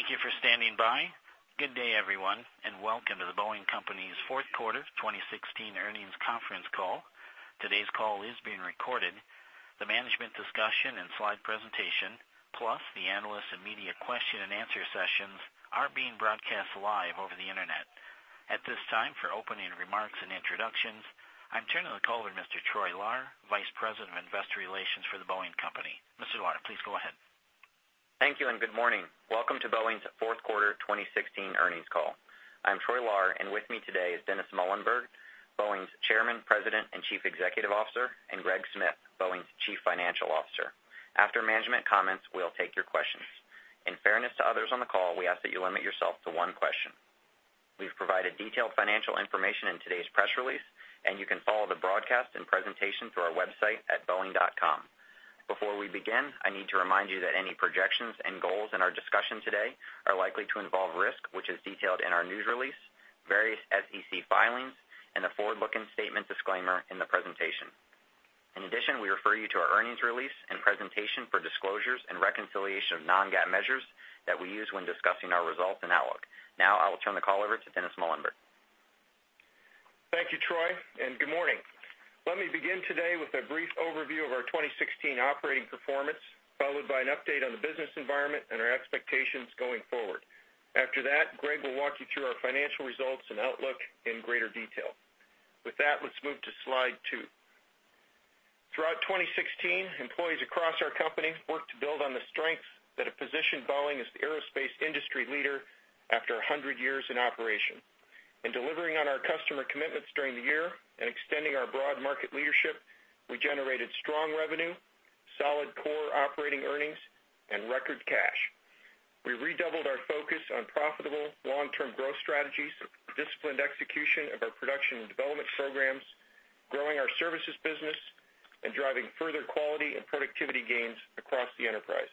Thank you for standing by. Good day, everyone, and welcome to The Boeing Company's fourth quarter 2016 earnings conference call. Today's call is being recorded. The management discussion and slide presentation, plus the analyst and media question and answer sessions are being broadcast live over the internet. At this time, for opening remarks and introductions, I'm turning the call to Mr. Troy Lahr, Vice President of Investor Relations for The Boeing Company. Mr. Lahr, please go ahead. Thank you. Good morning. Welcome to Boeing's fourth quarter 2016 earnings call. I'm Troy Lahr, and with me today is Dennis Muilenburg, Boeing's Chairman, President, and Chief Executive Officer, and Greg Smith, Boeing's Chief Financial Officer. After management comments, we'll take your questions. In fairness to others on the call, we ask that you limit yourself to one question. We've provided detailed financial information in today's press release, and you can follow the broadcast and presentation through our website at boeing.com. Before we begin, I need to remind you that any projections and goals in our discussion today are likely to involve risk, which is detailed in our news release, various SEC filings, and the forward-looking statement disclaimer in the presentation. In addition, we refer you to our earnings release and presentation for disclosures and reconciliation of non-GAAP measures that we use when discussing our results and outlook. Now, I will turn the call over to Dennis Muilenburg. Thank you, Troy. Good morning. Let me begin today with a brief overview of our 2016 operating performance, followed by an update on the business environment and our expectations going forward. After that, Greg will walk you through our financial results and outlook in greater detail. With that, let's move to slide two. Throughout 2016, employees across our company worked to build on the strengths that have positioned Boeing as the aerospace industry leader after 100 years in operation. In delivering on our customer commitments during the year and extending our broad market leadership, we generated strong revenue, solid core operating earnings, and record cash. We redoubled our focus on profitable long-term growth strategies, disciplined execution of our production and development programs, growing our services business, and driving further quality and productivity gains across the enterprise.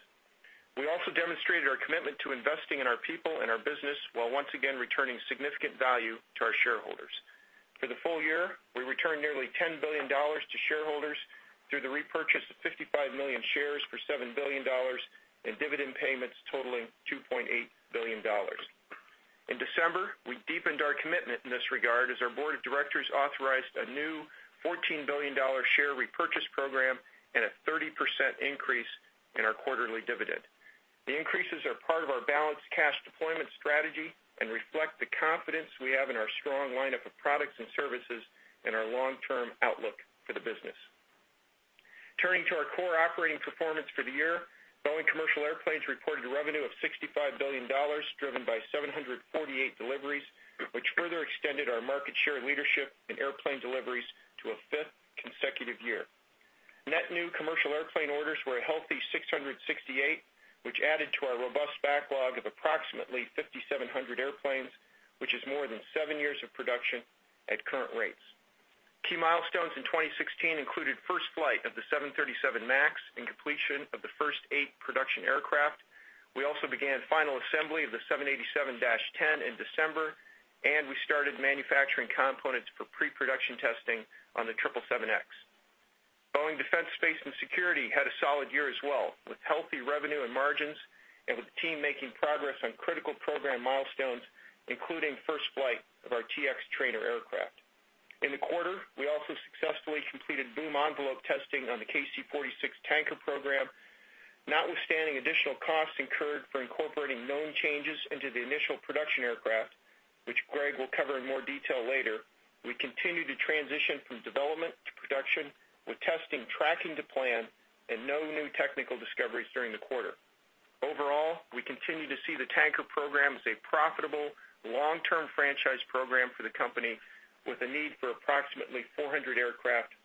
We also demonstrated our commitment to investing in our people and our business while once again returning significant value to our shareholders. For the full year, we returned nearly $10 billion to shareholders through the repurchase of 55 million shares for $7 billion and dividend payments totaling $2.8 billion. In December, we deepened our commitment in this regard as our board of directors authorized a new $14 billion share repurchase program and a 30% increase in our quarterly dividend. The increases are part of our balanced cash deployment strategy and reflect the confidence we have in our strong lineup of products and services and our long-term outlook for the business. Turning to our core operating performance for the year, Boeing Commercial Airplanes reported revenue of $65 billion, driven by 748 deliveries, which further extended our market share leadership in airplane deliveries to a fifth consecutive year. Net new commercial airplane orders were a healthy 668, which added to our robust backlog of approximately 5,700 airplanes, which is more than seven years of production at current rates. Key milestones in 2016 included first flight of the 737 MAX and completion of the first eight production aircraft. We also began final assembly of the 787-10 in December, and we started manufacturing components for pre-production testing on the 777X. Boeing Defense, Space & Security had a solid year as well, with healthy revenue and margins and with the team making progress on critical program milestones, including first flight of our T-X trainer aircraft. In the quarter, we also successfully completed boom envelope testing on the KC-46 Tanker program. Notwithstanding additional costs incurred for incorporating known changes into the initial production aircraft, which Greg will cover in more detail later, we continue to transition from development to production with testing tracking to plan and no new technical discoveries during the quarter. Overall, we continue to see the Tanker program as a profitable, long-term franchise program for the company with a need for approximately 400 aircraft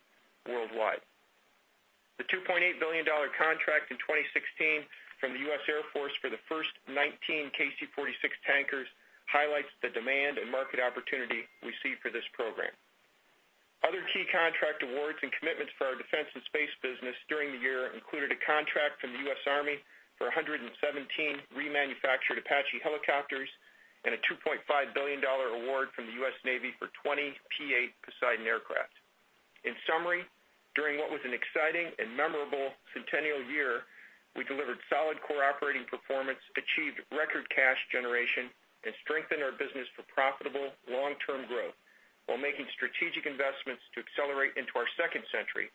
worldwide. The $2.8 billion contract in 2016 from the U.S. Air Force for the first 19 KC-46 Tankers highlights the demand and market opportunity we see for this program. Other key contract awards and commitments for our defense and space business during the year included a contract from the U.S. Army for 117 remanufactured Apache helicopters and a $2.5 billion award from the U.S. Navy for 20 P-8 Poseidon aircraft. In summary, during what was an exciting and memorable centennial year, we delivered solid core operating performance, achieved record cash generation, and strengthened our business for profitable long-term growth while making strategic investments to accelerate into our second century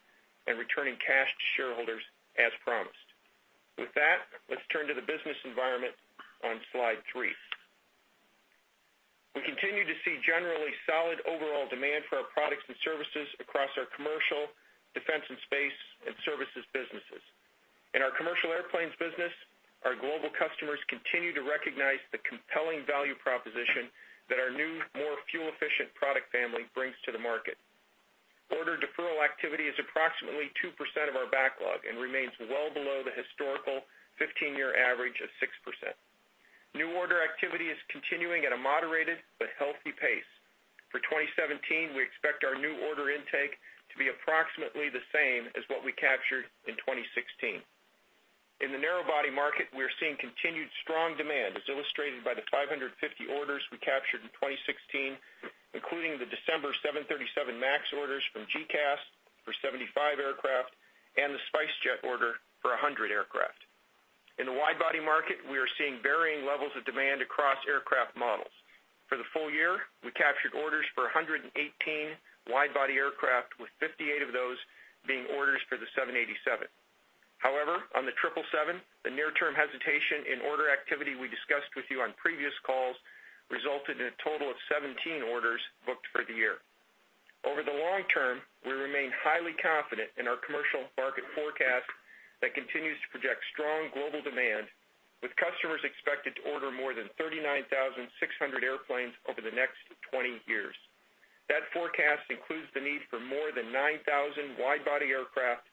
and returning cash to shareholders as promised. With that, let's turn to the business environment on slide three. We continue to see generally solid overall demand for our products and services across our commercial, defense and space, and services businesses. In our commercial airplanes business, our global customers continue to recognize the compelling value proposition that our new, more fuel-efficient product family brings to the market. Order deferral activity is approximately 2% of our backlog and remains well below the historical 15-year average of 6%. New order activity is continuing at a moderated but healthy pace. For 2017, we expect our new order intake to be approximately the same as what we captured in 2016. In the narrow body market, we are seeing continued strong demand, as illustrated by the 550 orders we captured in 2016, including the December 737 MAX orders from GECAS for 75 aircraft and the SpiceJet order for 100 aircraft. In the wide body market, we are seeing varying levels of demand across aircraft models. For the full year, we captured orders for 118 wide body aircraft, with 58 of those being orders for the 787. However, on the 777, the near-term hesitation in order activity we discussed with you on previous calls resulted in a total of 17 orders booked for the year. Over the long term, we remain highly confident in our commercial market forecast that continues to project strong global demand, with customers expected to order more than 39,600 airplanes over the next 20 years. That forecast includes the need for more than 9,000 wide body aircraft,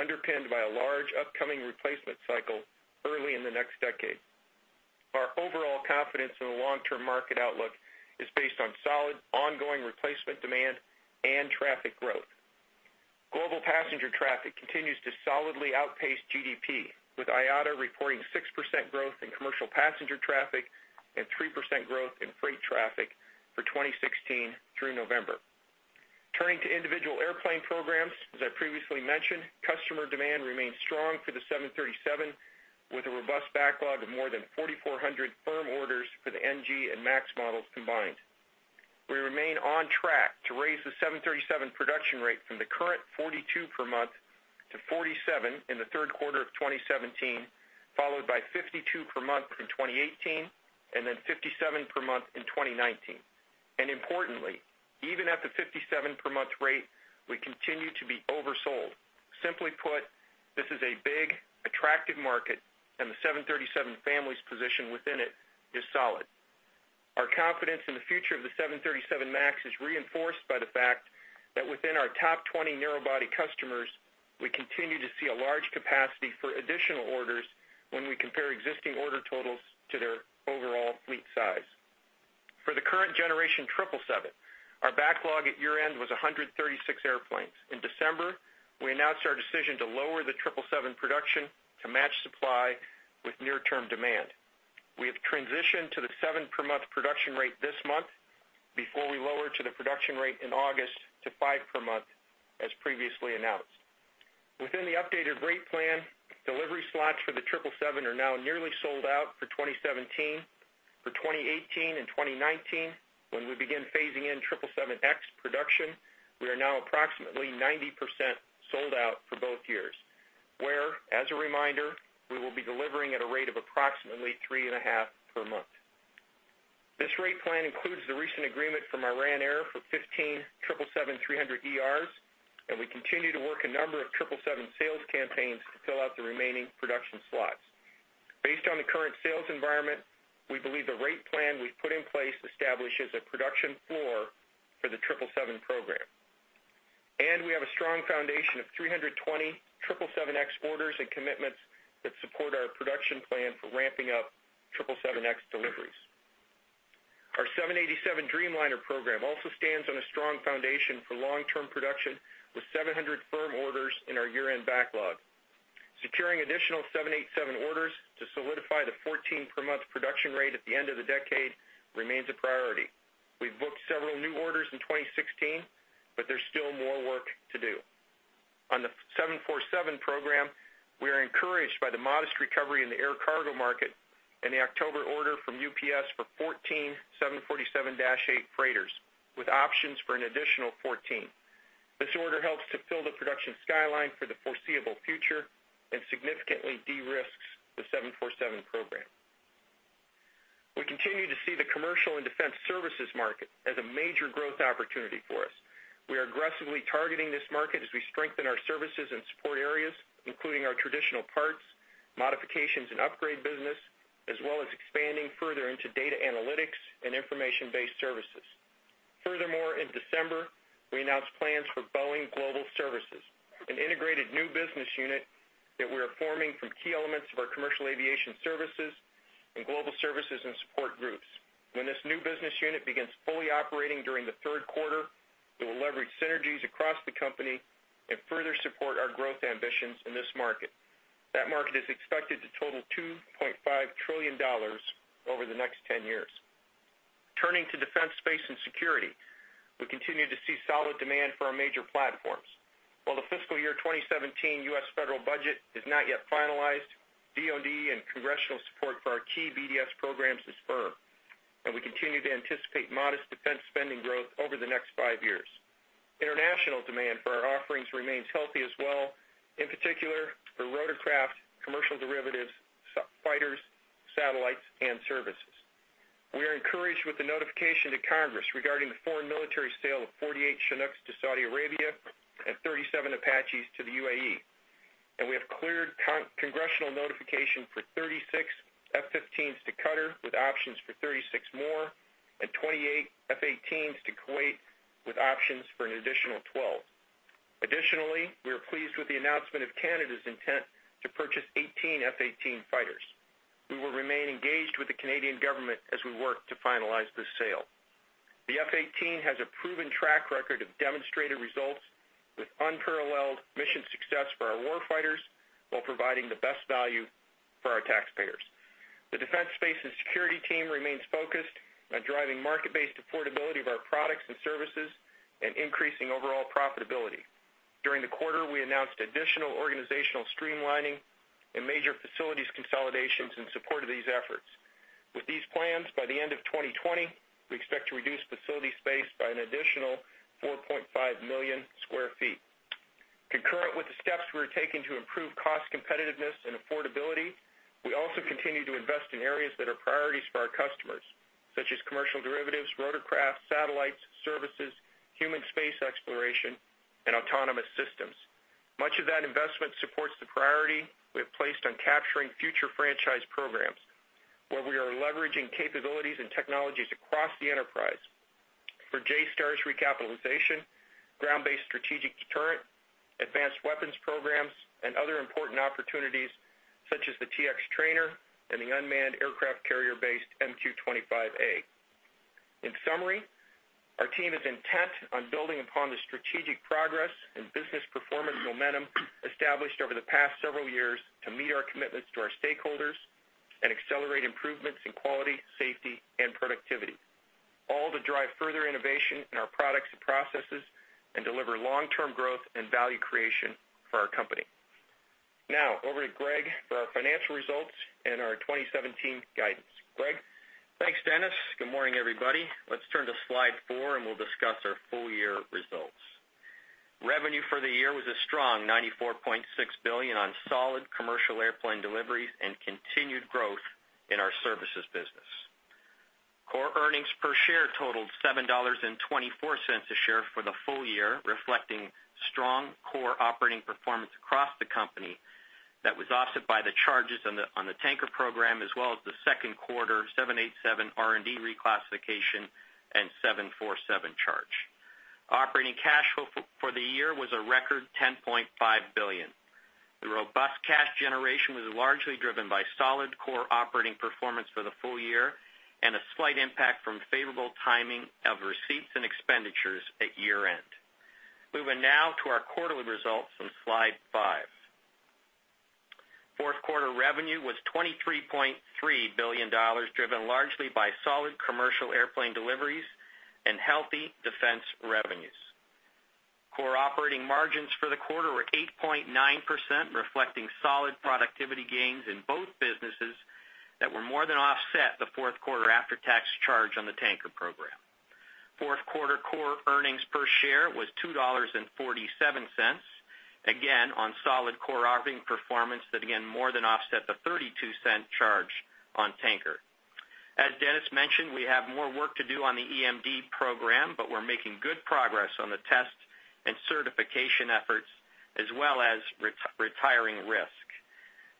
underpinned by a large upcoming replacement cycle early in the next decade. Our overall confidence in the long-term market outlook is based on solid, ongoing replacement demand and traffic growth. Global passenger traffic continues to solidly outpace GDP, with IATA reporting 6% growth in commercial passenger traffic and 3% growth in freight traffic for 2016 through November. Turning to individual airplane programs, as I previously mentioned, customer demand remains strong for the 737, with a robust backlog of more than 4,400 firm orders for the NG and MAX models combined. We remain on track to raise the 737 production rate from the current 42 per month to 47 in the third quarter of 2017, followed by 52 per month in 2018, then 57 per month in 2019. Importantly, even at the 57 per month rate, we continue to be oversold. Simply put, this is a big, attractive market, and the 737 family's position within it is solid. Our confidence in the future of the 737 MAX is reinforced by the fact that within our top 20 narrow body customers, we continue to see a large capacity for additional orders when we compare existing order totals to their overall fleet size. For the current generation 777, our backlog at year-end was 136 airplanes. In December, we announced our decision to lower the 777 production to match supply with near-term demand. We have transitioned to the seven per month production rate this month before we lower to the production rate in August to five per month, as previously announced. Within the updated rate plan, delivery slots for the 777 are now nearly sold out for 2017. For 2018 and 2019, when we begin phasing in 777X production, we are now approximately 90% sold out for both years, where, as a reminder, we will be delivering at a rate of approximately three and a half per month. This rate plan includes the recent agreement from Iran Air for 15 777-300ERs, and we continue to work a number of 777 sales campaigns to fill out the remaining production slots. Based on the current sales environment, we believe the rate plan we've put in place establishes a production floor for the 777 program. We have a strong foundation of 320 777X orders and commitments that support our production plan for ramping up 777X deliveries. Our 787 Dreamliner program also stands on a strong foundation for long-term production, with 700 firm orders in our year-end backlog. Securing additional 787 orders to solidify the 14 per month production rate at the end of the decade remains a priority. We've booked several new orders in 2016. There's still more work to do. On the 747 program, we are encouraged by the modest recovery in the air cargo market and the October order from UPS for 14 747-8 freighters with options for an additional 14. This order helps to fill the production skyline for the foreseeable future and significantly de-risks the 747 program. We continue to see the commercial and defense services market as a major growth opportunity for us. We are aggressively targeting this market as we strengthen our services and support areas, including our traditional parts, modifications, and upgrade business, as well as expanding further into data analytics and information-based services. In December, we announced plans for Boeing Global Services, an integrated new business unit that we are forming from key elements of our commercial aviation services and global services and support groups. When this new business unit begins fully operating during the third quarter, it will leverage synergies across the company and further support our growth ambitions in this market. That market is expected to total $2.5 trillion over the next 10 years. Turning to defense, space, and security, we continue to see solid demand for our major platforms. While the fiscal year 2017 U.S. federal budget is not yet finalized, DoD and congressional support for our key BDS programs is firm. We continue to anticipate modest defense spending growth over the next five years. International demand for our offerings remains healthy as well, in particular for rotorcraft, commercial derivatives, fighters, satellites, and services. We are encouraged with the notification to Congress regarding the foreign military sale of 48 Chinooks to Saudi Arabia and 37 Apaches to the UAE. We have cleared congressional notification for 36 F-15s to Qatar, with options for 36 more, and 28 F/A-18s to Kuwait, with options for an additional 12. We are pleased with the announcement of Canada's intent to purchase 18 F/A-18 fighters. We are engaged with the Canadian government as we work to finalize this sale. The F/A-18 has a proven track record of demonstrated results with unparalleled mission success for our war fighters, while providing the best value for our taxpayers. The defense, space, and security team remains focused on driving market-based affordability of our products and services and increasing overall profitability. During the quarter, we announced additional organizational streamlining and major facilities consolidations in support of these efforts. With these plans, by the end of 2020, we expect to reduce facility space by an additional 4.5 million sq ft. Concurrent with the steps we're taking to improve cost competitiveness and affordability, we also continue to invest in areas that are priorities for our customers, such as commercial derivatives, rotorcraft, satellites, services, human space exploration, and autonomous systems. Much of that investment supports the priority we have placed on capturing future franchise programs, where we are leveraging capabilities and technologies across the enterprise. For JSTARS recapitalization, Ground-Based Strategic Deterrent, advanced weapons programs, and other important opportunities such as the T-X trainer and the unmanned aircraft carrier-based MQ-25A. In summary, our team is intent on building upon the strategic progress and business performance momentum established over the past several years to meet our commitments to our stakeholders and accelerate improvements in quality, safety, and productivity. All to drive further innovation in our products and processes and deliver long-term growth and value creation for our company. Now, over to Greg for our financial results and our 2017 guidance. Greg? Thanks, Dennis. Good morning, everybody. Let's turn to slide four. We'll discuss our full-year results. Revenue for the year was a strong $94.6 billion on solid commercial airplane deliveries and continued growth in our services business. Core earnings per share totaled $7.24 a share for the full year, reflecting strong core operating performance across the company that was offset by the charges on the tanker program, as well as the second quarter 787 R&D reclassification and 747 charge. Operating cash flow for the year was a record $10.5 billion. The robust cash generation was largely driven by solid core operating performance for the full year and a slight impact from favorable timing of receipts and expenditures at year-end. Moving now to our quarterly results on slide five. Fourth quarter revenue was $23.3 billion, driven largely by solid commercial airplane deliveries and healthy defense revenues. Core operating margins for the quarter were 8.9%, reflecting solid productivity gains in both businesses that were more than offset the fourth quarter after-tax charge on the tanker program. Fourth quarter core earnings per share was $2.47, again, on solid core operating performance that, again, more than offset the $0.32 charge on tanker. As Dennis mentioned, we have more work to do on the EMD program, but we're making good progress on the test and certification efforts, as well as retiring risk.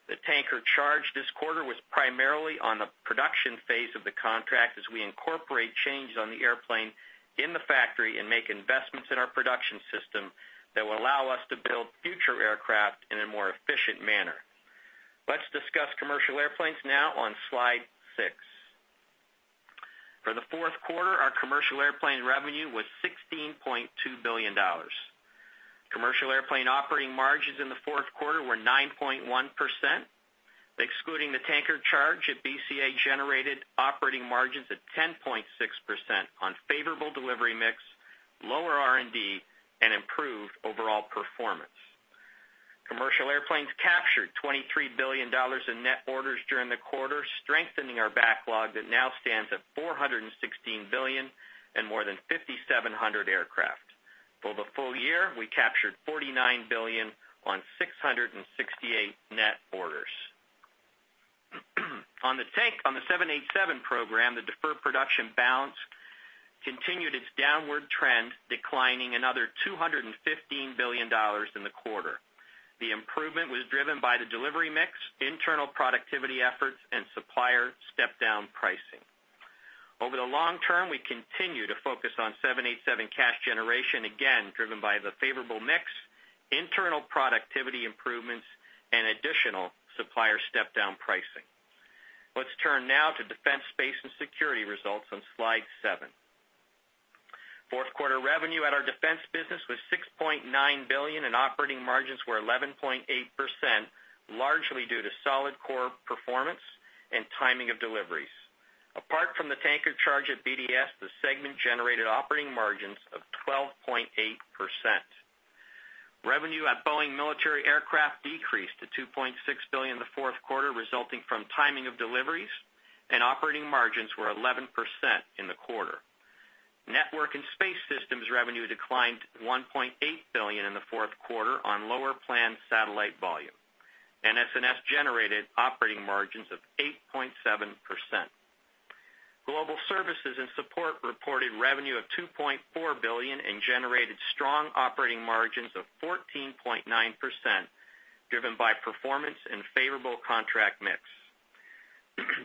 The tanker charge this quarter was primarily on the production phase of the contract as we incorporate changes on the airplane in the factory and make investments in our production system that will allow us to build future aircraft in a more efficient manner. Let's discuss commercial airplanes now on slide six. For the fourth quarter, our commercial airplane revenue was $16.2 billion. Commercial airplane operating margins in the fourth quarter were 9.1%, excluding the tanker charge at BCA-generated operating margins at 10.6% on favorable delivery mix, lower R&D, and improved overall performance. Commercial airplanes captured $23 billion in net orders during the quarter, strengthening our backlog that now stands at $416 billion and more than 5,700 aircraft. For the full year, we captured $49 billion on 668 net orders. On the 787 program, the deferred production balance continued its downward trend, declining another $215 million in the quarter. The improvement was driven by the delivery mix, internal productivity efforts, and supplier step-down pricing. Over the long term, we continue to focus on 787 cash generation, again, driven by the favorable mix, internal productivity improvements, and additional supplier step-down pricing. Let's turn now to Defense, Space & Security results on slide seven. Fourth quarter revenue at our defense business was $6.9 billion, operating margins were 11.8%, largely due to solid core performance and timing of deliveries. Apart from the tanker charge at BDS, the segment generated operating margins of 12.8%. Revenue at Boeing Military Aircraft decreased to $2.6 billion in the fourth quarter, resulting from timing of deliveries, operating margins were 11% in the quarter. Network & Space Systems revenue declined to $1.8 billion in the fourth quarter on lower planned satellite volume, N&SS generated operating margins of 8.7%. Global Services & Support reported revenue of $2.4 billion and generated strong operating margins of 14.9%, driven by performance and favorable contract mix.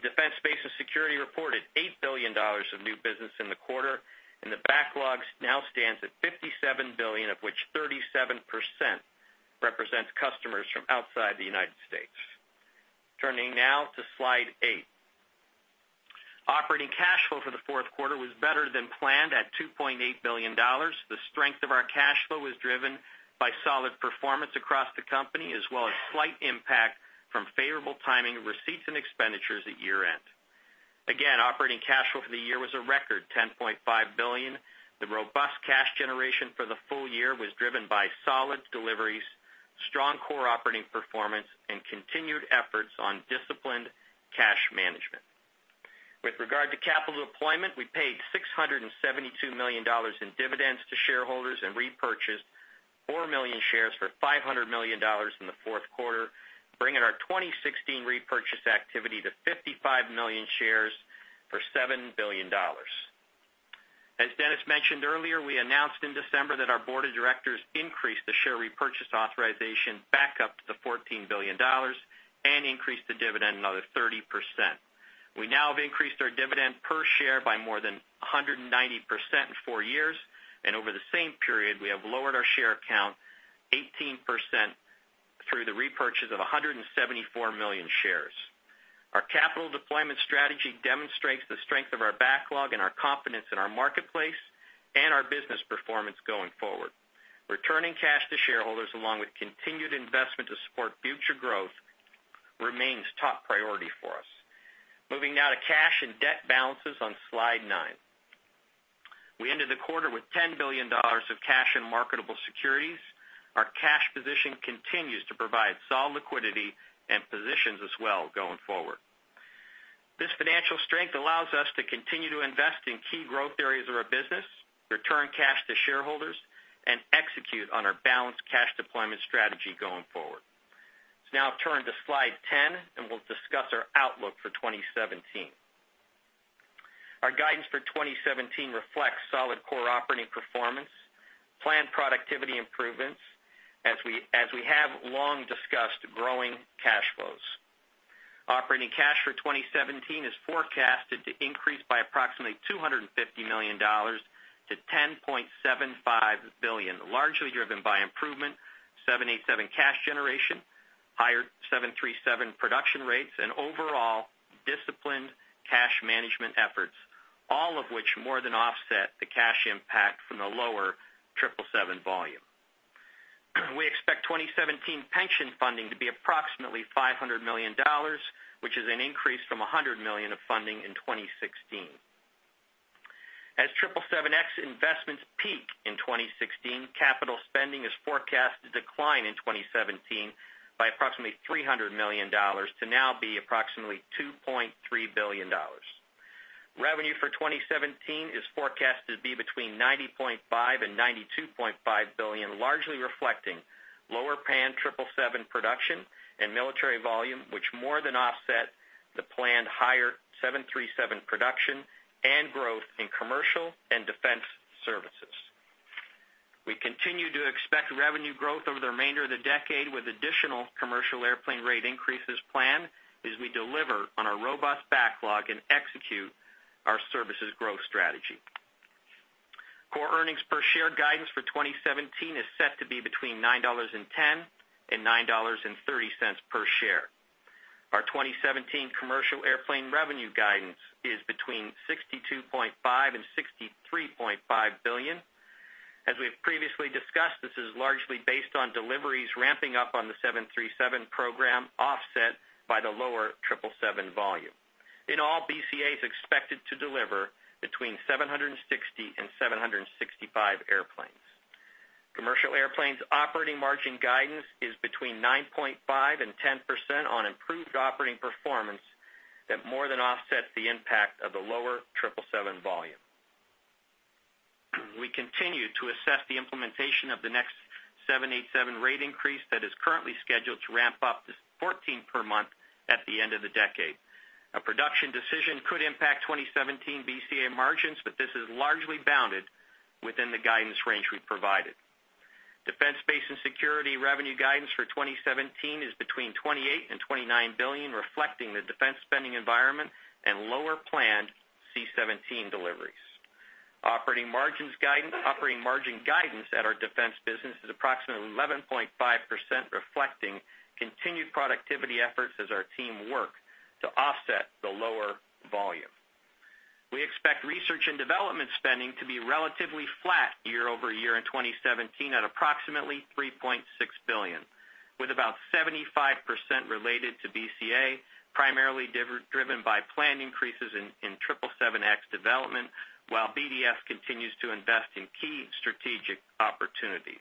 Defense, Space, and Security reported $8 billion of new business in the quarter, the backlogs now stands at $57 billion, of which 37% represents customers from outside the United States. Turning now to slide eight. Operating cash flow for the fourth quarter was better than planned at $2.8 billion. The strength of our cash flow was driven by solid performance across the company, as well as slight impact from favorable timing of receipts and expenditures at year-end. Again, operating cash flow for the year was a record $10.5 billion. The robust cash generation for the full year was driven by solid deliveries, strong core operating performance, and continued efforts on disciplined cash management. With regard to capital deployment, we paid $672 million in dividends to shareholders and repurchased four million shares for $500 million in the fourth quarter, bringing our 2016 repurchase activity to 55 million shares for $7 billion. As Dennis mentioned earlier, we announced in December that our board of directors increased the share repurchase authorization back up to $14 billion and increased the dividend another 30%. We now have increased our dividend per share by more than 190% in four years, over the same period, we have lowered our share count 18% through the repurchase of 174 million shares. Our capital deployment strategy demonstrates the strength of our backlog and our confidence in our marketplace and our business performance going forward. Returning cash to shareholders, along with continued investment to support future growth, remains top priority for us. Moving now to cash and debt balances on slide nine. We ended the quarter with $10 billion of cash in marketable securities. Our cash position continues to provide solid liquidity and positions us well going forward. This financial strength allows us to continue to invest in key growth areas of our business, return cash to shareholders, and execute on our balanced cash deployment strategy going forward. Let's now turn to slide 10, we'll discuss our outlook for 2017. Our guidance for 2017 reflects solid core operating performance, planned productivity improvements, as we have long discussed, growing cash flows. Operating cash for 2017 is forecasted to increase by approximately $250 million to $10.75 billion, largely driven by improvement 787 cash generation, higher 737 production rates, overall disciplined cash management efforts, all of which more than offset the cash impact from the lower 777 volume. We expect 2017 pension funding to be approximately $500 million, which is an increase from $100 million of funding in 2016. As 777X investments peak in 2016, capital spending is forecast to decline in 2017 by approximately $300 million to now be approximately $2.3 billion. Revenue for 2017 is forecasted to be between $90.5 billion and $92.5 billion, largely reflecting lower 777 production and military volume, which more than offset the planned higher 737 production and growth in commercial and defense services. We continue to expect revenue growth over the remainder of the decade, with additional commercial airplane rate increases planned as we deliver on our robust backlog and execute our services growth strategy. Core earnings per share guidance for 2017 is set to be between $9.10 and $9.30 per share. Our 2017 commercial airplane revenue guidance is between $62.5 billion and $63.5 billion. As we have previously discussed, this is largely based on deliveries ramping up on the 737 program, offset by the lower 777 volume. In all, BCA is expected to deliver between 760 and 765 airplanes. Commercial airplanes operating margin guidance is between 9.5% and 10% on improved operating performance that more than offsets the impact of the lower 777 volume. We continue to assess the implementation of the next 787 rate increase that is currently scheduled to ramp up to 14 per month at the end of the decade. A production decision could impact 2017 BCA margins, but this is largely bounded within the guidance range we've provided. Defense, Space and Security revenue guidance for 2017 is between $28 billion and $29 billion, reflecting the defense spending environment and lower planned C-17 deliveries. Operating margin guidance at our defense business is approximately 11.5%, reflecting continued productivity efforts as our team work to offset the lower volume. We expect research and development spending to be relatively flat year-over-year in 2017 at approximately $3.6 billion, with about 75% related to BCA, primarily driven by planned increases in 777X development, while BDS continues to invest in key strategic opportunities.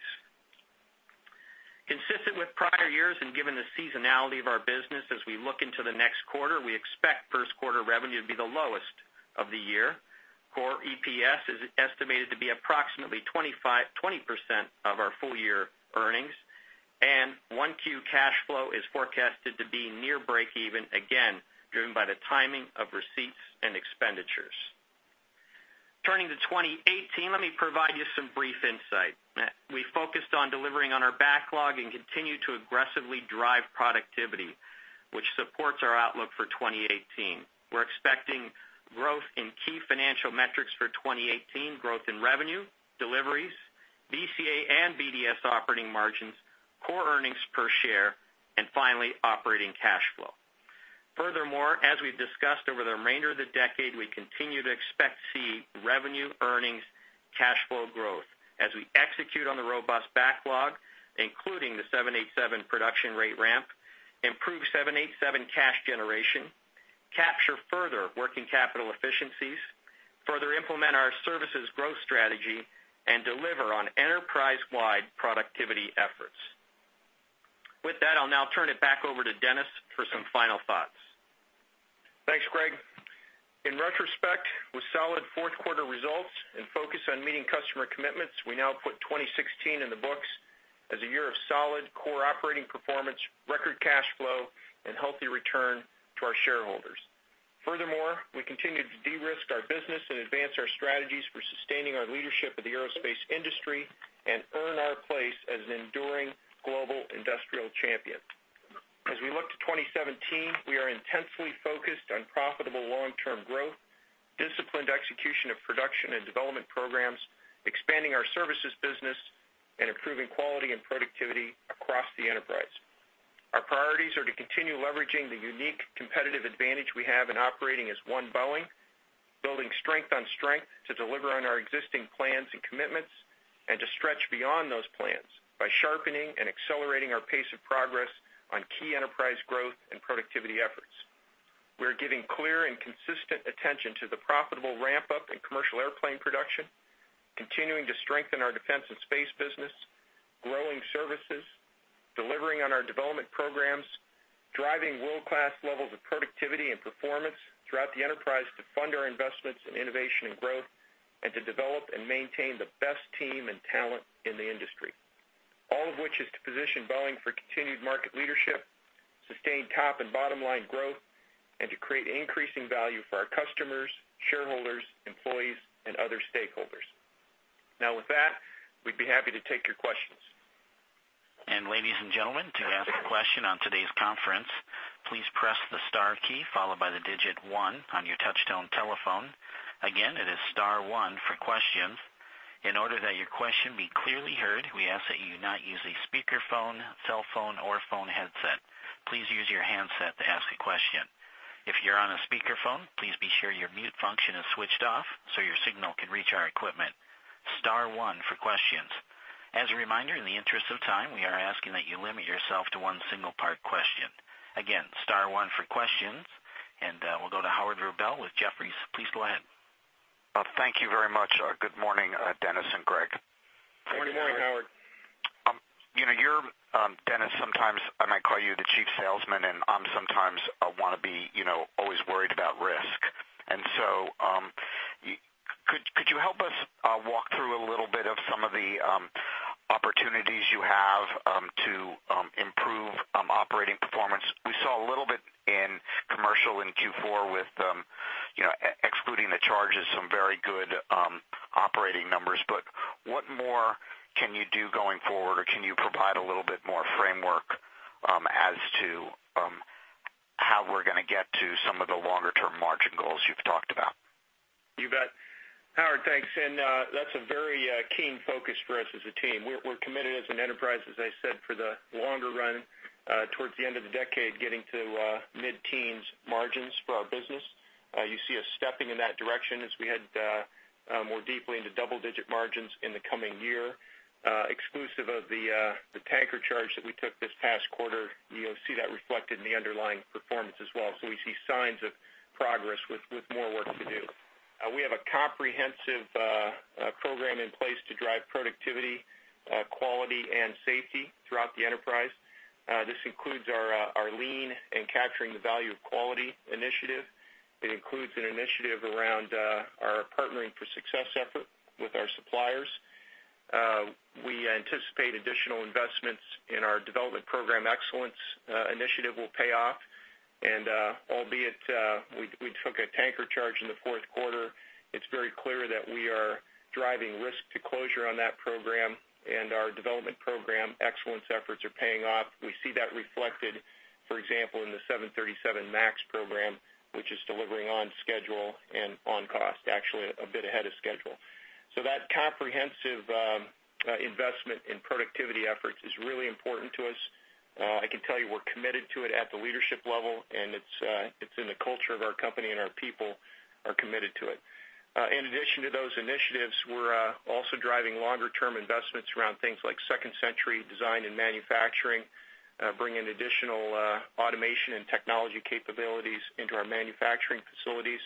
Consistent with prior years and given the seasonality of our business, as we look into the next quarter, we expect first quarter revenue to be the lowest of the year. Core EPS is estimated to be approximately 20% of our full-year earnings, and 1Q cash flow is forecasted to be near breakeven, again, driven by the timing of receipts and expenditures. Turning to 2018, let me provide you some brief insight. We focused on delivering on our backlog and continue to aggressively drive productivity, which supports our outlook for 2018. We're expecting growth in key financial metrics for 2018, growth in revenue, deliveries, BCA and BDS operating margins, core earnings per share, and finally, operating cash flow. Furthermore, as we've discussed over the remainder of the decade, we continue to expect to see revenue earnings, cash flow growth as we execute on the robust backlog, including the 787 production rate ramp, improve 787 cash generation, capture further working capital efficiencies, further implement our services growth strategy, and deliver on enterprise-wide productivity efforts. With that, I'll now turn it back over to Dennis for some final thoughts. Thanks, Greg. In retrospect, with solid fourth quarter results and focus on meeting customer commitments, we now put 2016 in the books as a year of solid core operating performance, record cash flow, and healthy return to our shareholders. Furthermore, we continue to de-risk our business and advance our strategies for sustaining our leadership of the aerospace industry and earn our place as an enduring global industrial champion. As we look to 2017, we are intensely focused on profitable long-term growth, disciplined execution of production and development programs, expanding our services business, and improving quality and productivity across the enterprise. Our priorities are to continue leveraging the unique competitive advantage we have in operating as one Boeing, building strength on strength to deliver on our existing plans and commitments, and to stretch beyond those plans by sharpening and accelerating our pace of progress on key enterprise growth and productivity efforts. We're giving clear and consistent attention to the profitable ramp-up in commercial airplane production, continuing to strengthen our defense and space business, growing services, delivering on our development programs, driving world-class levels of productivity and performance throughout the enterprise to fund our investments in innovation and growth, and to develop and maintain the best team and talent in the industry. All of which is to position Boeing for continued market leadership, sustained top and bottom-line growth, and to create increasing value for our customers, shareholders, employees, and other stakeholders. With that, we'd be happy to take your questions. Ladies and gentlemen, to ask a question on today's conference, please press the star key followed by the digit one on your touchtone telephone. Again, it is star one for questions. In order that your question be clearly heard, we ask that you not use a speakerphone, cell phone, or phone headset. Please use your handset to ask a question. If you're on a speakerphone, please be sure your mute function is switched off so your signal can reach our equipment. Star one for questions. As a reminder, in the interest of time, we are asking that you limit yourself to one single part question. Again, star one for questions. We'll go to Howard Rubel with Jefferies. Please go ahead. Thank you very much. Good morning, Dennis and Greg. Good morning, Howard. Good morning. Dennis, sometimes I might call you the chief salesman, and I'm sometimes, I want to be always worried about risk. Could you help us walk through a little bit of some of the opportunities you have, to improve operating performance? We saw a little bit in commercial in Q4 with excluding the charges, some very good operating numbers. What more can you do going forward, or can you provide a little bit more framework as to how we're going to get to some of the longer-term margin goals you've talked about? You bet. Howard, thanks. That's a very keen focus for us as a team. We're committed as an enterprise, as I said, for the longer run, towards the end of the decade, getting to mid-teens margins for our business. You see us stepping in that direction as we head more deeply into double-digit margins in the coming year. Exclusive of the tanker charge that we took this past quarter, you'll see that reflected in the underlying performance as well. We see signs of progress with more work to do. We have a comprehensive program in place to drive productivity, quality, and safety throughout the enterprise. This includes our lean and capturing the value of quality initiative. It includes an initiative around our Partnering for Success effort with our suppliers. We anticipate additional investments in our development program excellence initiative will pay off. Albeit, we took a tanker charge in the fourth quarter. It's very clear that we are driving risk to closure on that program and our development program excellence efforts are paying off. We see that reflected, for example, in the 737 MAX program, which is delivering on schedule and on cost, actually a bit ahead of schedule. That comprehensive investment in productivity efforts is really important to us. I can tell you we're committed to it at the leadership level, and it's in the culture of our company, and our people are committed to it. In addition to those initiatives, we're also driving longer-term investments around things like second-century design and manufacturing, bringing additional automation and technology capabilities into our manufacturing facilities.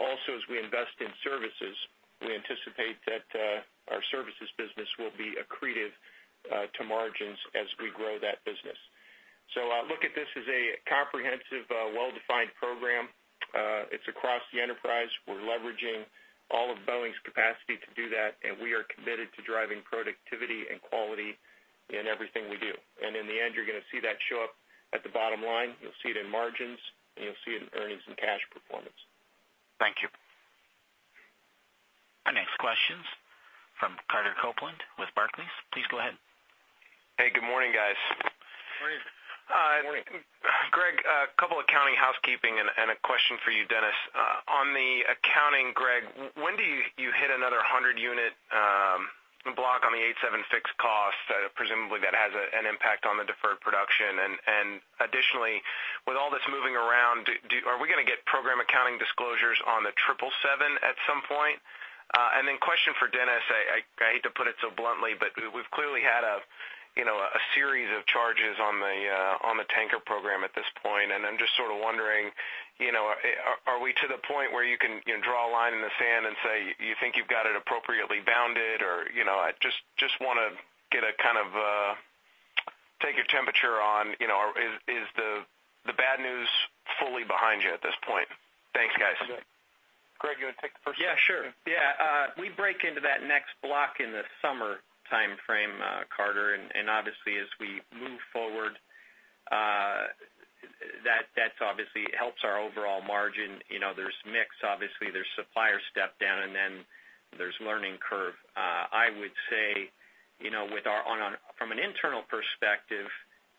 Also as we invest in services, we anticipate that our services business will be accretive to margins as we grow that business. I look at this as a comprehensive, well-defined program. It's across the enterprise. We're leveraging all of Boeing's capacity to do that, we are committed to driving productivity and quality in everything we do. In the end, you're going to see that show up at the bottom line. You'll see it in margins, and you'll see it in earnings and cash performance. First questions from Carter Copeland with Barclays. Please go ahead. Hey, good morning, guys. Morning. Morning. Greg, a couple accounting housekeeping and a question for you, Dennis. On the accounting, Greg, when do you hit another 100 unit block on the 787 cost? Presumably, that has an impact on the deferred production. Additionally, with all this moving around, are we going to get program accounting disclosures on the 777 at some point? Then question for Dennis, I hate to put it so bluntly, but we've clearly had a series of charges on the Tanker program at this point, I'm just sort of wondering, are we to the point where you can draw a line in the sand and say, you think you've got it appropriately bounded? Or, I just want to get a kind of take your temperature on, is the bad news fully behind you at this point? Thanks, guys. Greg, you want to take the first one? Yeah, sure. We break into that next block in the summer timeframe, Carter, obviously as we move forward, that obviously helps our overall margin. There's mix, obviously there's supplier step down, then there's learning curve. I would say, from an internal perspective,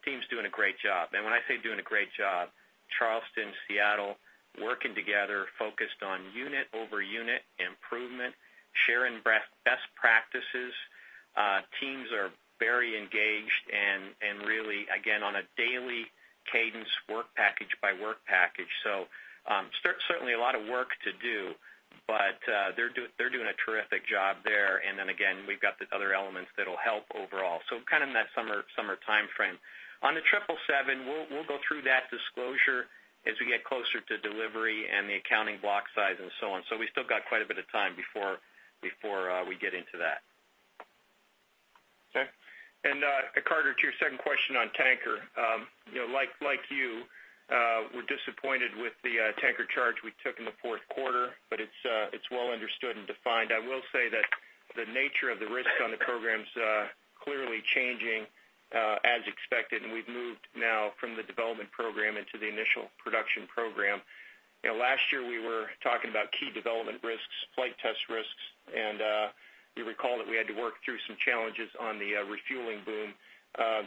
team's doing a great job. When I say doing a great job, Charleston, Seattle, working together, focused on unit over unit improvement, sharing best practices. Teams are very engaged, really, again, on a daily cadence, work package by work package. Certainly a lot of work to do, but, they're doing a terrific job there. Then again, we've got the other elements that'll help overall. Kind of in that summer timeframe. On the 777, we'll go through that disclosure as we get closer to delivery and the accounting block size and so on. We still got quite a bit of time before we get into that. Okay. Carter, to your second question on Tanker. Like you, we're disappointed with the Tanker charge we took in the fourth quarter, it's well understood and defined. I will say that the nature of the risk on the program's clearly changing, as expected, we've moved now from the development program into the initial production program. Last year, we were talking about key development risks, flight test risks, you recall that we had to work through some challenges on the refueling boom.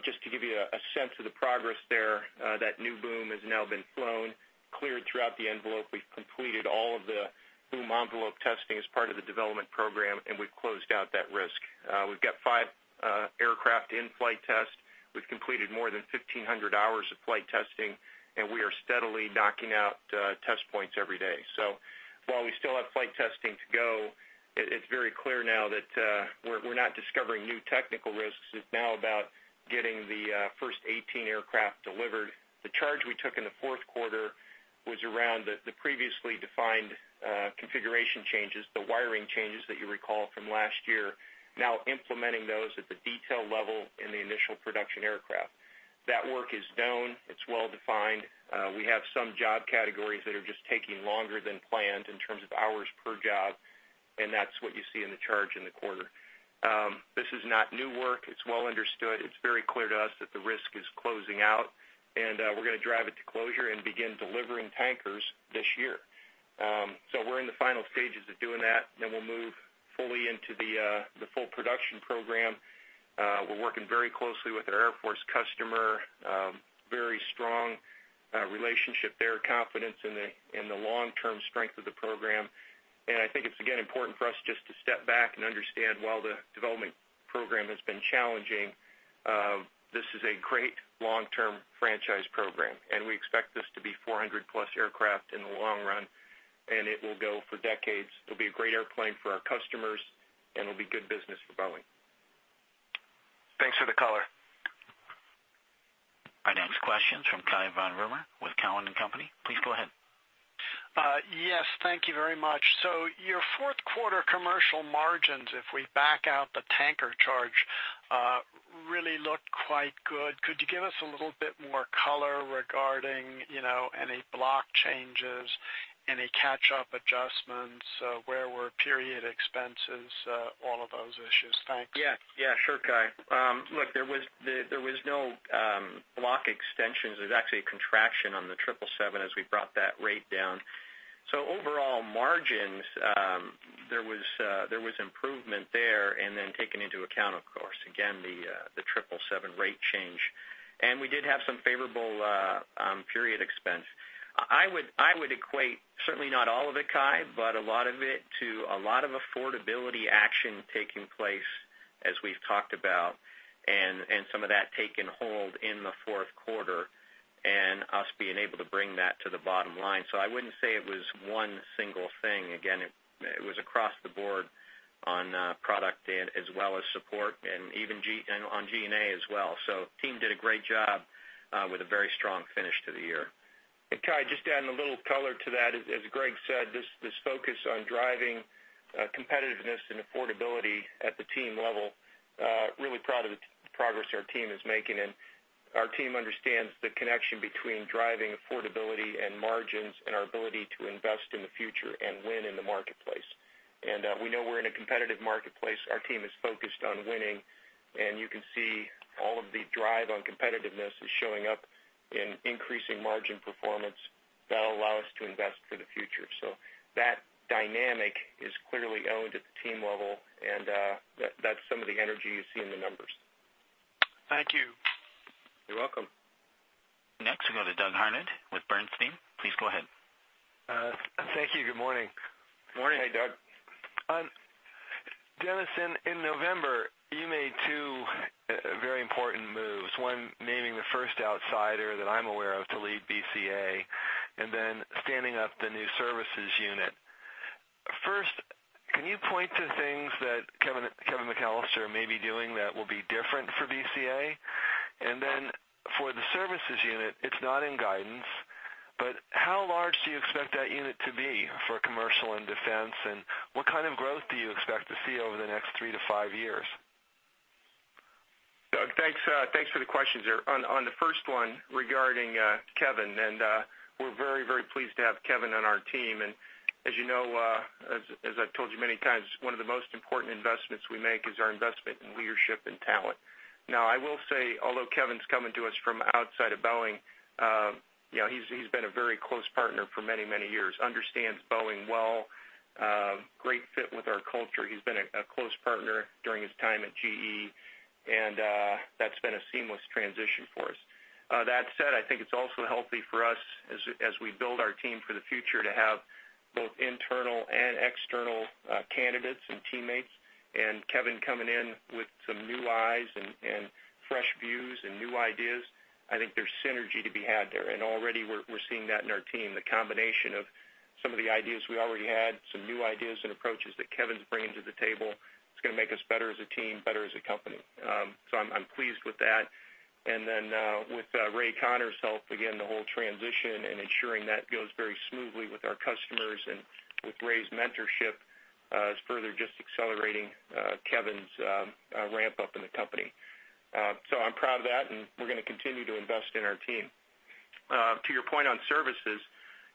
Just to give you a sense of the progress there, that new boom has now been flown, cleared throughout the envelope. We've completed all of the boom envelope testing as part of the development program, we've closed out that risk. We've got five aircraft in flight test. We've completed more than 1,500 hours of flight testing, we are steadily knocking out test points every day. While we still have flight testing to go, it's very clear now that we're not discovering new technical risks. It's now about getting the first 18 aircraft delivered. The charge we took in the fourth quarter was around the previously defined configuration changes, the wiring changes that you recall from last year. Now implementing those at the detail level in the initial production aircraft. That work is known, it's well defined. We have some job categories that are just taking longer than planned in terms of hours per job, that's what you see in the charge in the quarter. This is not new work. It's well understood. It's very clear to us that the risk is closing out, we're going to drive it to closure and begin delivering Tankers this year. We're in the final stages of doing that, we'll move fully into the full production program. We're working very closely with our Air Force customer. Very strong relationship there, confidence in the long-term strength of the program. I think it's, again, important for us just to step back and understand, while the development program has been challenging, this is a great long-term franchise program, we expect this to be 400-plus aircraft in the long run, it will go for decades. It'll be a great airplane for our customers, it'll be good business for Boeing. Thanks for the color. Our next question's from Cai von Rumohr with Cowen and Company. Please go ahead. Yes, thank you very much. Your fourth quarter commercial margins, if we back out the Tanker charge, really looked quite good. Could you give us a little bit more color regarding any block changes, any catch-up adjustments, where were period expenses, all of those issues? Thanks. Sure, Cai. Look, there was no block extensions. There was actually a contraction on the 777 as we brought that rate down. Overall margins, there was improvement there, and then taking into account, of course, again, the 777 rate change. We did have some favorable period expense. I would equate, certainly not all of it, Cai, but a lot of it to a lot of affordability action taking place as we've talked about, and some of that taking hold in the fourth quarter, and us being able to bring that to the bottom line. I wouldn't say it was one single thing. Again, it was across the board on product as well as support, and on G&A as well. Team did a great job with a very strong finish to the year. Cai, just to add a little color to that, as Greg said, this focus on driving competitiveness and affordability at the team level, really proud of the progress our team is making, and our team understands the connection between driving affordability and margins and our ability to invest in the future and win in the marketplace. We know we're in a competitive marketplace. Our team is focused on winning, and you can see all of the drive on competitiveness is showing up in increasing margin performance. That'll allow us to invest for the future. That dynamic is clearly owned at the team level, and that's some of the energy you see in the numbers. Thank you. You're welcome. Next, we go to Doug Harned with Bernstein. Please go ahead. Thank you. Good morning. Morning. Hey, Doug. Dennis, in November, you made two very important moves, one, naming the first outsider that I'm aware of to lead BCA, then standing up the new Services Unit. First, can you point to things that Kevin McAllister may be doing that will be different for BCA? Then for the Services Unit, it's not in guidance, but how large do you expect that unit to be for commercial and defense, and what kind of growth do you expect to see over the next three to five years? Doug, thanks for the questions there. On the first one, regarding Kevin, we're very pleased to have Kevin on our team, as you know, as I've told you many times, one of the most important investments we make is our investment in leadership and talent. Now, I will say, although Kevin's coming to us from outside of Boeing, he's been a very close partner for many, many years. Understands Boeing well. Great fit with our culture. He's been a close partner during his time at GE, that's been a seamless transition for us. That said, I think it's also healthy for us as we build our team for the future to have both internal and external candidates and teammates. Kevin coming in with some new eyes and fresh views and new ideas, I think there's synergy to be had there. Already we're seeing that in our team, the combination of some of the ideas we already had, some new ideas and approaches that Kevin's bringing to the table. It's going to make us better as a team, better as a company. I'm pleased with that. Then, with Ray Conner's help, again, the whole transition and ensuring that goes very smoothly with our customers and with Ray's mentorship, is further just accelerating Kevin's ramp-up in the company. I'm proud of that, and we're going to continue to invest in our team. To your point on Services,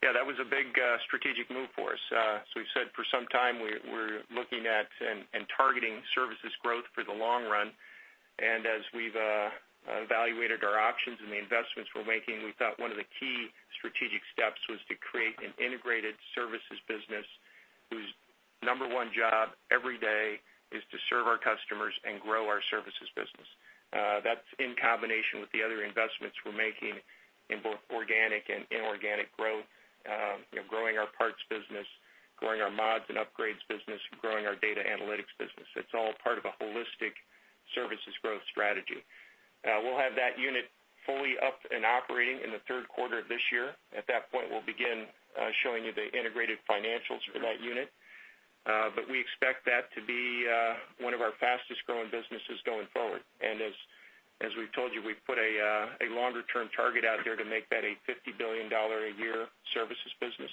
yeah, that was a big strategic move for us. As we've said for some time, we're looking at and targeting Services growth for the long run. As we've evaluated our options and the investments we're making, we thought one of the key strategic steps was to create an integrated services business whose number 1 job every day is to serve our customers and grow our services business. That's in combination with the other investments we're making in both organic and inorganic growth. Growing our parts business, growing our mods and upgrades business, growing our data analytics business. It's all part of a holistic services growth strategy. We'll have that unit fully up and operating in the third quarter of this year. At that point, we'll begin showing you the integrated financials for that unit. We expect that to be one of our fastest-growing businesses going forward. As we've told you, we've put a longer-term target out there to make that a $50 billion a year services business.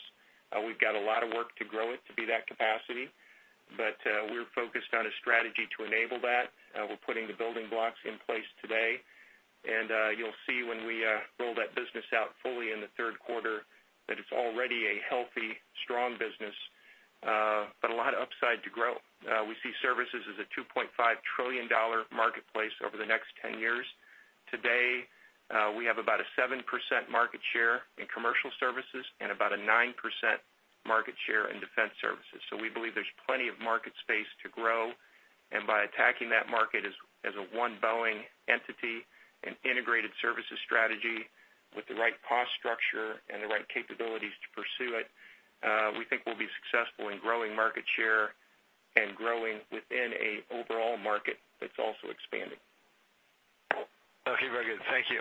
We've got a lot of work to grow it to be that capacity, but we're focused on a strategy to enable that. We're putting the building blocks in place today. You'll see when we roll that business out fully in the third quarter that it's already a healthy, strong business, but a lot of upside to grow. We see services as a $2.5 trillion marketplace over the next 10 years. Today, we have about a 7% market share in commercial services and about a 9% market share in defense services. We believe there's plenty of market space to grow, and by attacking that market as a one Boeing entity and integrated services strategy with the right cost structure and the right capabilities to pursue it, we think we'll be successful in growing market share and growing within an overall market that's also expanding. Okay, very good. Thank you.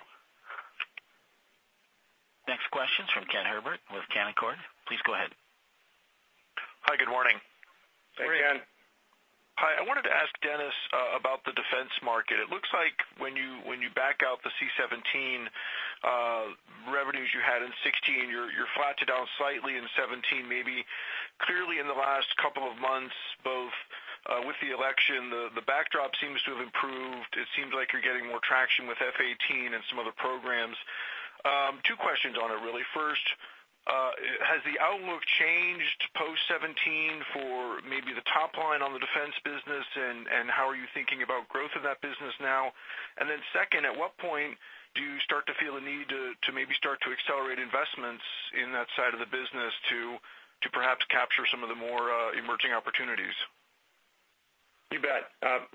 Next question's from Ken Herbert with Canaccord. Please go ahead. Hi, good morning. Hey, Ken. Hi, I wanted to ask Dennis, about the Defense market. It looks like when you back out the C-17 revenues you had in 2016, you're flat to down slightly in 2017, maybe. Clearly in the last couple of months, both, with the election, the backdrop seems to have improved. It seems like you're getting more traction with F-18 and some other programs. Two questions on it, really. First, has the outlook changed post 2017 for maybe the top-line on the Defense business, and how are you thinking about growth of that business now? Then second, at what point do you start to accelerate investments in that side of the business to perhaps capture some of the more emerging opportunities? You bet.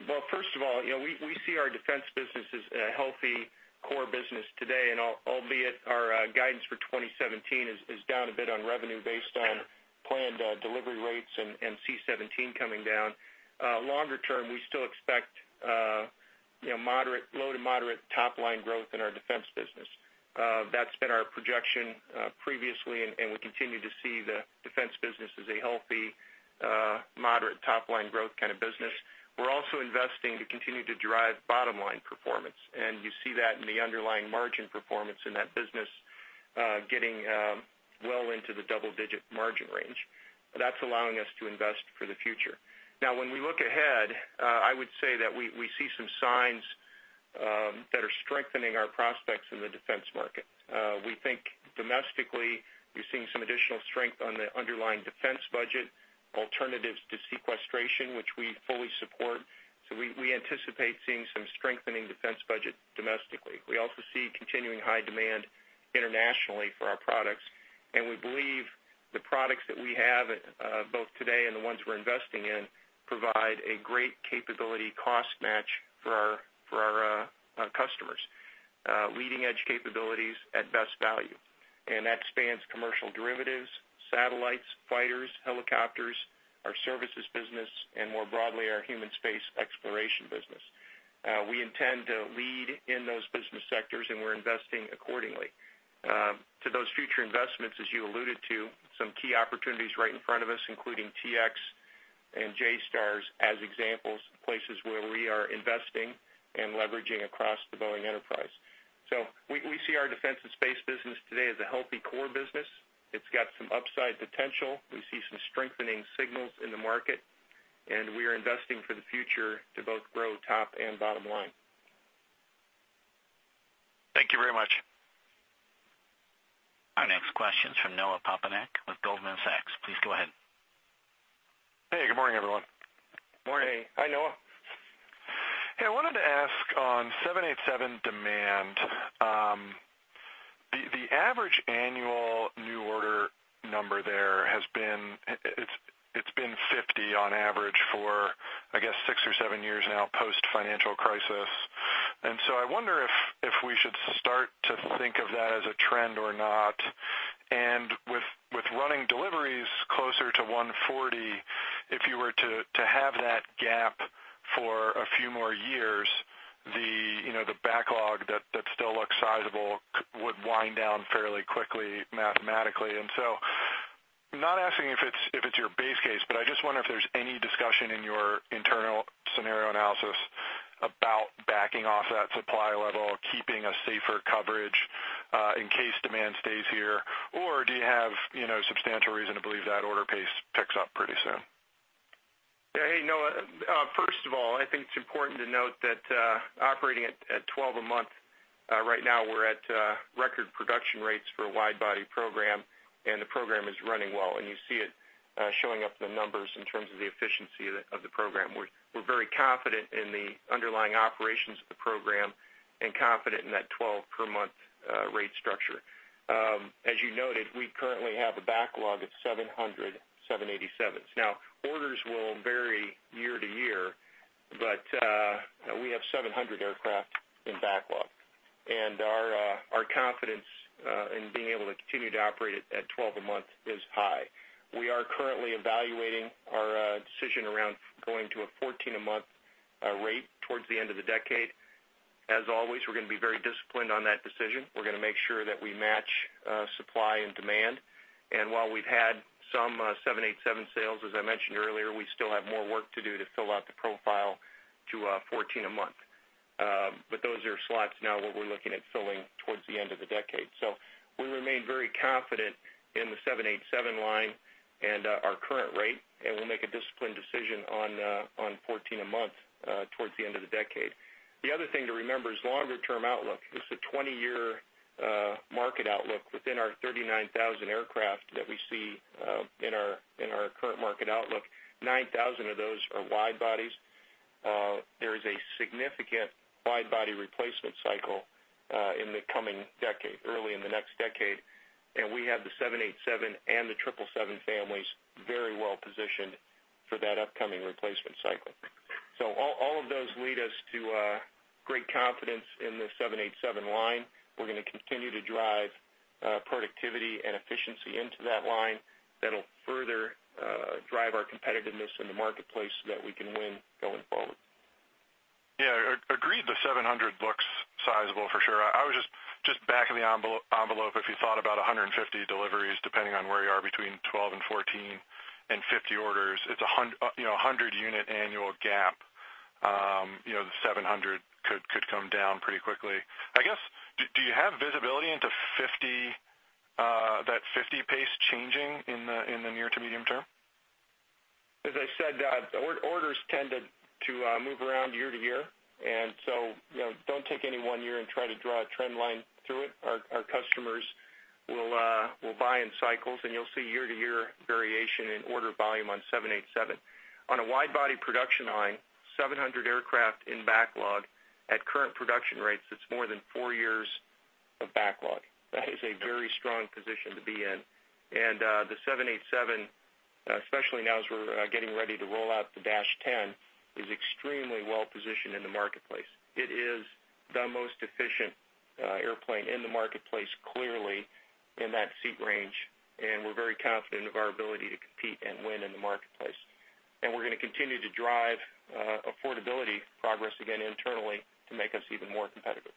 Well, first of all, we see our Defense business as a healthy core business today, albeit our guidance for 2017 is down a bit on revenue based on planned delivery rates and C-17 coming down. Longer term, we still expect low to moderate top-line growth in our Defense business. That's been our projection previously, we continue to see the Defense business as a healthy, moderate top-line growth kind of business. We're also investing to continue to drive bottom-line performance, you see that in the underlying margin performance in that business, getting well into the double-digit margin range. That's allowing us to invest for the future. When we look ahead, I would say that we see some signs that are strengthening our prospects in the defense market. We think domestically, we're seeing some additional strength on the underlying defense budget, alternatives to sequestration, which we fully support. We anticipate seeing some strengthening defense budget domestically. We also see continuing high demand internationally for our products, and we believe the products that we have, both today and the ones we're investing in, provide a great capability cost match for our customers. Leading-edge capabilities at best value. That spans commercial derivatives, satellites, fighters, helicopters, our services business, and more broadly, our human space exploration business. We intend to lead in those business sectors, and we're investing accordingly. To those future investments, as you alluded to, some key opportunities right in front of us, including T-X and JSTARS as examples, places where we are investing and leveraging across the Boeing enterprise. We see our defense and space business today as a healthy core business. It's got some upside potential. We see some strengthening signals in the market, we are investing for the future to both grow top and bottom line. Thank you very much. Our next question's from Noah Poponak with Goldman Sachs. Please go ahead. Hey, good morning, everyone. Morning. Hey. Hi, Noah. Hey, I wanted to ask on 787 demand. The average annual new order number there, it's been 50 on average for, I guess, six or seven years now post-financial crisis. I wonder if we should start to think of that as a trend or not. With running deliveries closer to 140, if you were to have that gap for a few more years, the backlog that still looks sizable would wind down fairly quickly mathematically. Not asking if it's your base case, but I just wonder if there's any discussion in your internal scenario analysis about backing off that supply level, keeping a safer coverage, in case demand stays here, or do you have substantial reason to believe that order pace picks up pretty soon? Yeah. Hey, Noah. First of all, I think it's important to note that, operating at 12 a month, right now we're at record production rates for a wide-body program, and the program is running well. You see it showing up in the numbers in terms of the efficiency of the program. We're very confident in the underlying operations of the program and confident in that 12-per-month rate structure. As you noted, we currently have a backlog of 700 787s. Now, orders will vary year to year, but we have 700 aircraft in backlog. Our confidence in being able to continue to operate at 12 a month is high. We are currently evaluating our decision around going to a 14-a-month rate towards the end of the decade. As always, we're going to be very disciplined on that decision. We're going to make sure that we match supply and demand. While we've had some 787 sales, as I mentioned earlier, we still have more work to do to fill out the profile to 14 a month. Those are slots now that we're looking at filling towards the end of the decade. We remain very confident in the 787 line and our current rate, and we'll make a disciplined decision on 14 a month towards the end of the decade. The other thing to remember is longer-term outlook. This is a 20-year market outlook within our 39,000 aircraft that we see in our current market outlook, 9,000 of those are wide bodies. There is a significant wide-body replacement cycle in the coming decade, early in the next decade, and we have the 787 and the 777 families very well positioned for that upcoming replacement cycle. All of those lead us to great confidence in the 787 line. We're going to continue to drive productivity and efficiency into that line that'll further drive our competitiveness in the marketplace so that we can win going forward. Yeah. Agreed the 700 looks sizable for sure. I was just, back of the envelope, if you thought about 150 deliveries, depending on where you are between 12 and 14 and 50 orders, it's 100 unit annual gap. The 700 could come down pretty quickly. I guess, do you have visibility into that 50 pace changing in the near to medium term? As I said, orders tend to move around year to year, don't take any one year and try to draw a trend line through it. Our customers will buy in cycles, you'll see year-to-year variation in order volume on 787. On a wide-body production line, 700 aircraft in backlog at current production rates, it's more than four years of backlog. That is a very strong position to be in. The 787, especially now as we're getting ready to roll out the -10, is extremely well positioned in the marketplace. It is the most efficient airplane in the marketplace, clearly, in that seat range, we're very confident of our ability to compete and win in the marketplace. We're going to continue to drive affordability progress again internally to make us even more competitive.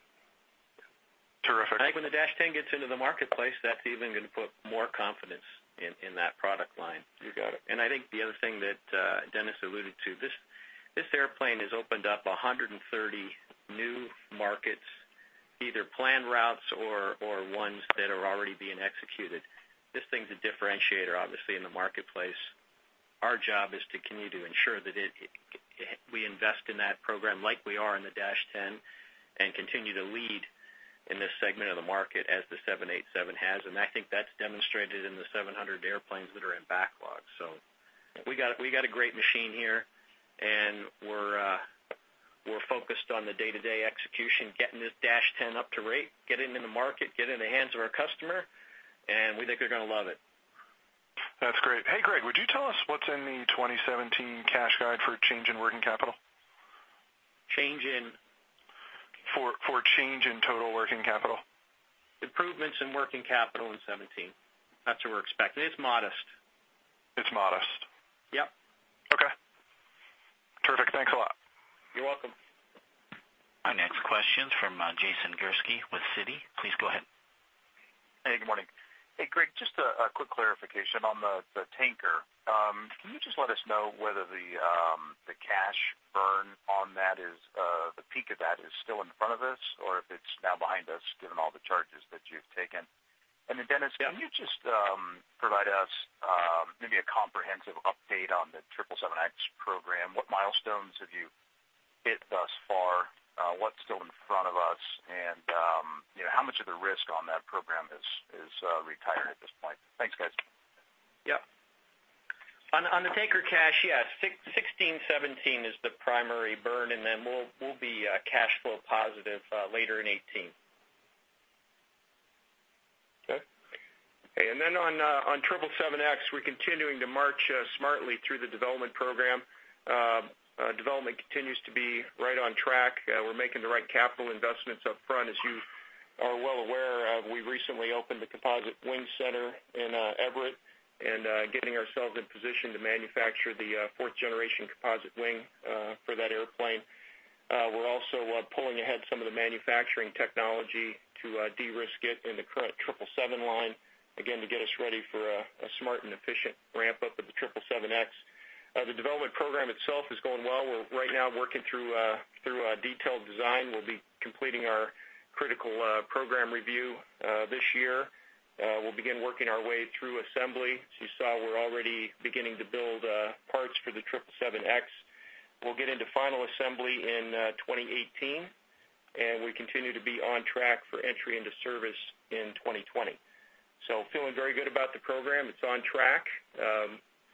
Terrific. I think when the -10 gets into the marketplace, that's even going to put more confidence in that product line. You got it. I think the other thing that Dennis alluded to, this airplane has opened up 130 new markets, either planned routes or ones that are already being executed. This thing's a differentiator, obviously, in the marketplace. Our job is to continue to ensure that we invest in that program like we are in the -10 and continue to lead In this segment of the market as the 787 has, and I think that's demonstrated in the 700 airplanes that are in backlog. We got a great machine here, and we're focused on the day-to-day execution, getting this Dash 10 up to rate, getting it in the market, get it in the hands of our customer, and we think they're going to love it. That's great. Hey, Greg, would you tell us what's in the 2017 cash guide for change in working capital? Change in? For change in total working capital. Improvements in working capital in 2017. That's what we're expecting. It's modest. It's modest. Yep. Okay. Terrific. Thanks a lot. You're welcome. Our next question's from Jason Gursky with Citi. Please go ahead. Hey, good morning. Hey, Greg, just a quick clarification on the tanker. Can you just let us know whether the cash burn on that, the peak of that is still in front of us, or if it's now behind us, given all the charges that you've taken? Dennis, Yeah. Can you just provide us maybe a comprehensive update on the 777X program? What milestones have you hit thus far? What's still in front of us? How much of the risk on that program is retired at this point? Thanks, guys. Yep. On the tanker cash, yeah, 2016, 2017 is the primary burn. We'll be cash flow positive later in 2018. Okay. On 777X, we're continuing to march smartly through the development program. Development continues to be right on track. We're making the right capital investments up front. As you are well aware, we recently opened the composite wing center in Everett and getting ourselves in position to manufacture the fourth generation composite wing for that airplane. We're also pulling ahead some of the manufacturing technology to de-risk it in the current 777 line, again, to get us ready for a smart and efficient ramp-up of the 777X. The development program itself is going well. We're right now working through detailed design. We'll be completing our critical program review this year. We'll begin working our way through assembly. As you saw, we're already beginning to build parts for the 777X. We'll get into final assembly in 2018. We continue to be on track for entry into service in 2020. Feeling very good about the program. It's on track.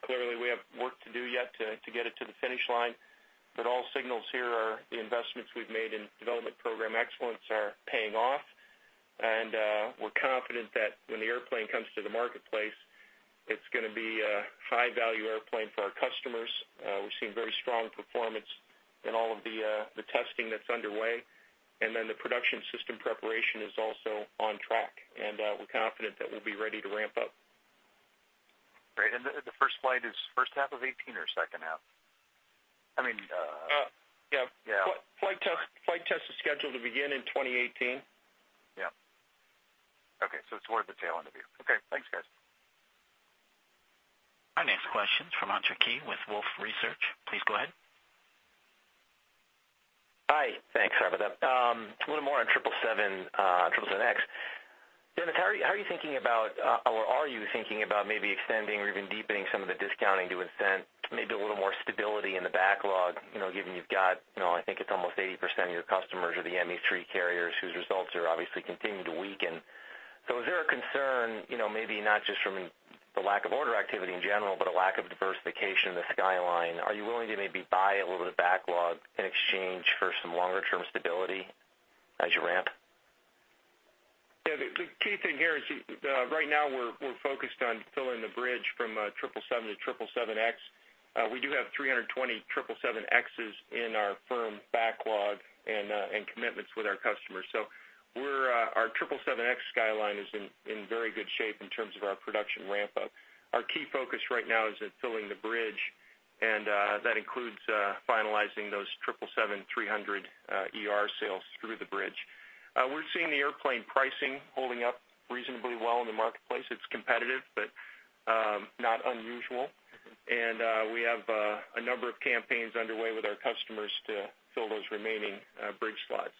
Clearly, we have work to do yet to get it to the finish line. All signals here are the investments we've made in development program excellence are paying off. We're confident that when the airplane comes to the marketplace, it's going to be a high-value airplane for our customers. We've seen very strong performance in all of the testing that's underway. The production system preparation is also on track, and we're confident that we'll be ready to ramp up. Great. The first flight is first half of 2018 or second half? Yeah. Yeah. Flight test is scheduled to begin in 2018. Yeah. Okay, it's towards the tail end of you. Okay, thanks, guys. Our next question's from Hunter Keay with Wolfe Research. Please go ahead. Hi. Thanks. Sorry about that. A little more on 777X. Dennis, how are you thinking about, or are you thinking about maybe extending or even deepening some of the discounting to incent maybe a little more stability in the backlog, given you've got, I think it's almost 80% of your customers are the ME3 carriers whose results are obviously continuing to weaken. Is there a concern, maybe not just from the lack of order activity in general, but a lack of diversification in the skyline? Are you willing to maybe buy a little bit of backlog in exchange for some longer-term stability as you ramp? Yeah, the key thing here is right now we're focused on filling the bridge from 777 to 777X. We do have 320 777Xs in our firm backlog and commitments with our customers. Our 777X skyline is in very good shape in terms of our production ramp-up. Our key focus right now is at filling the bridge, and that includes finalizing those 777-300ER sales through the bridge. We're seeing the airplane pricing holding up reasonably well in the marketplace. It's competitive, but not unusual. We have a number of campaigns underway with our customers to fill those remaining bridge slots.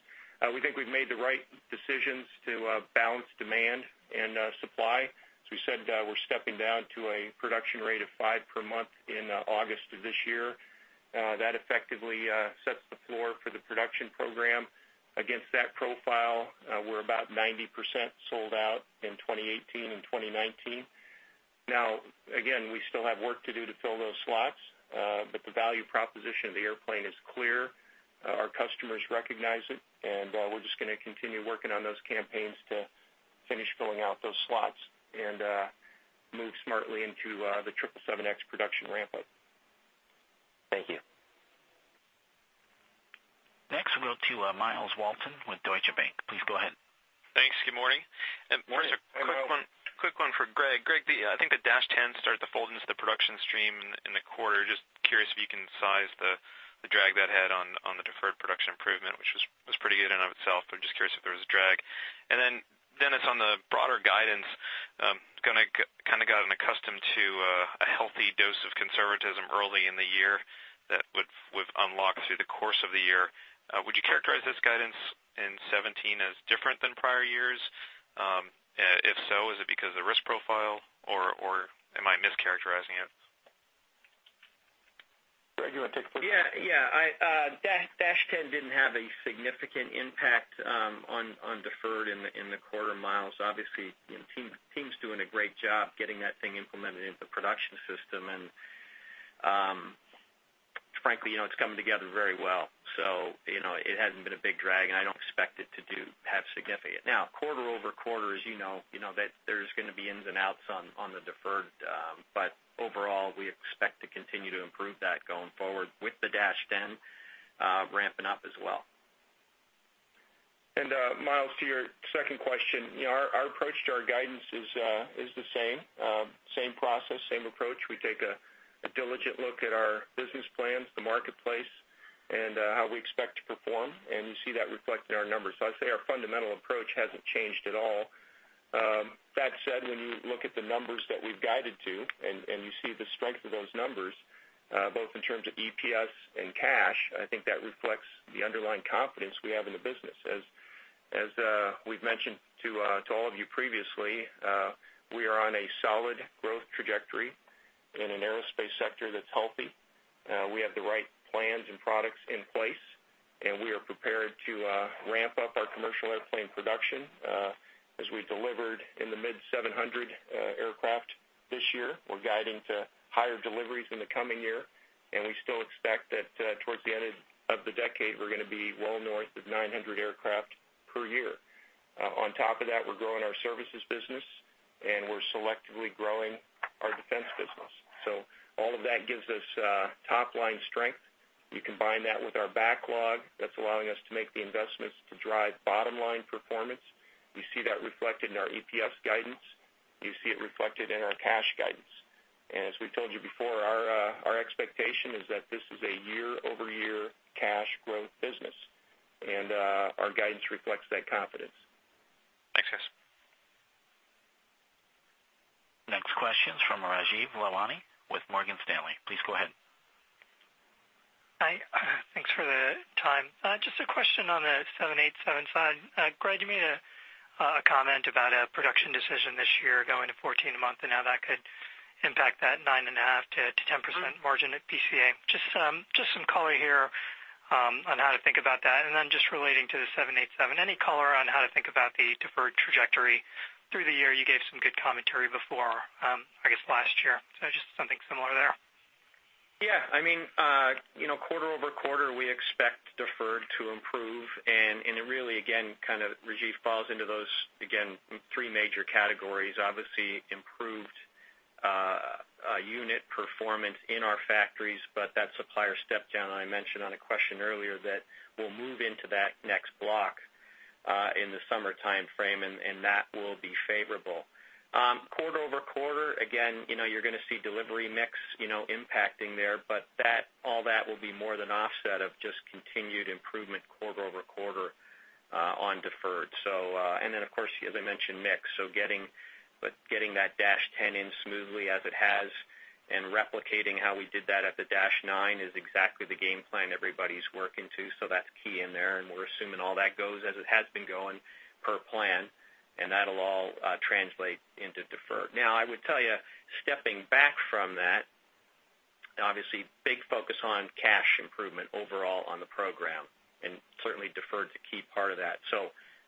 We think we've made the right decisions to balance demand and supply. As we said, we're stepping down to a production rate of five per month in August of this year. That effectively sets the floor for the production program. Against that profile, we're about 90% sold out in 2018 and 2019. Again, we still have work to do to fill those slots, but the value proposition of the airplane is clear. Our customers recognize it, we're just going to continue working on those campaigns to finish filling out those slots and move smartly into the 777X production ramp-up. Thank you. Next, we'll to Myles Walton with Deutsche Bank. Please go ahead. Thanks. Good morning. Morning. Just a quick one for Greg. Greg, I think the Dash 10 started to fold into the production stream in the quarter. Just curious if you can size the drag that had on the deferred production improvement, which was pretty good in and of itself, but just curious if there was a drag. Dennis, on the broader guidance, kind of gotten accustomed to a healthy dose of conservatism early in the year that would unlock through the course of the year. Would you characterize this guidance in 2017 as different than prior years? If so, is it because of the risk profile, or am I mischaracterizing it? Yeah. Dash 10 didn't have a significant impact on deferred in the quarter, Myles. Obviously, the team's doing a great job getting that thing implemented into the production system, and frankly, it's coming together very well. It hasn't been a big drag, and I don't expect it to have significant. Now, quarter-over-quarter, as you know, there's going to be ins and outs on the deferred. Overall, we expect to continue to improve that going forward with the Dash 10 ramping up as well. Myles, to your second question, our approach to our guidance is the same. Same process, same approach. We take a diligent look at our business plans, the marketplace, and how we expect to perform, and you see that reflected in our numbers. I'd say our fundamental approach hasn't changed at all. That said, when you look at the numbers that we've guided to and you see the strength of those numbers, both in terms of EPS and cash, I think that reflects the underlying confidence we have in the business. As we've mentioned to all of you previously, we are on a solid growth trajectory in an aerospace sector that's healthy. We have the right plans and products in place, and we are prepared to ramp up our commercial airplane production, as we delivered in the mid 700 aircraft this year. We're guiding to higher deliveries in the coming year, and we still expect that towards the end of the decade, we're going to be well north of 900 aircraft per year. On top of that, we're growing our services business, and we're selectively growing our defense business. All of that gives us top-line strength. You combine that with our backlog that's allowing us to make the investments to drive bottom-line performance. You see that reflected in our EPS guidance. You see it reflected in our cash guidance. As we told you before, our expectation is that this is a year-over-year cash growth business. Our guidance reflects that confidence. Thanks, guys. Next question is from Rajeev Lalwani with Morgan Stanley. Please go ahead. Hi. Thanks for the time. Just a question on the 787 side. Greg, you made a comment about a production decision this year going to 14 a month and how that could impact that 9.5%-10% margin at BCA. Just some color here on how to think about that. Just relating to the 787. Any color on how to think about the deferred trajectory through the year? You gave some good commentary before, I guess, last year. Just something similar there. Yeah. Quarter-over-quarter, we expect deferred to improve, and it really, again, kind of, Rajeev, falls into those three major categories. Obviously, improved unit performance in our factories, but that supplier step down I mentioned on a question earlier that we'll move into that next block in the summer timeframe, and that will be favorable. Quarter-over-quarter, again, you're going to see delivery mix impacting there, but all that will be more than offset of just continued improvement quarter-over-quarter on deferred. Of course, as I mentioned, mix. Getting that Dash 10 in smoothly as it has and replicating how we did that at the Dash 9 is exactly the game plan everybody's working to. That's key in there, and we're assuming all that goes as it has been going per plan, and that'll all translate into deferred. Now, I would tell you, stepping back from that, obviously big focus on cash improvement overall on the program, and certainly deferred's a key part of that.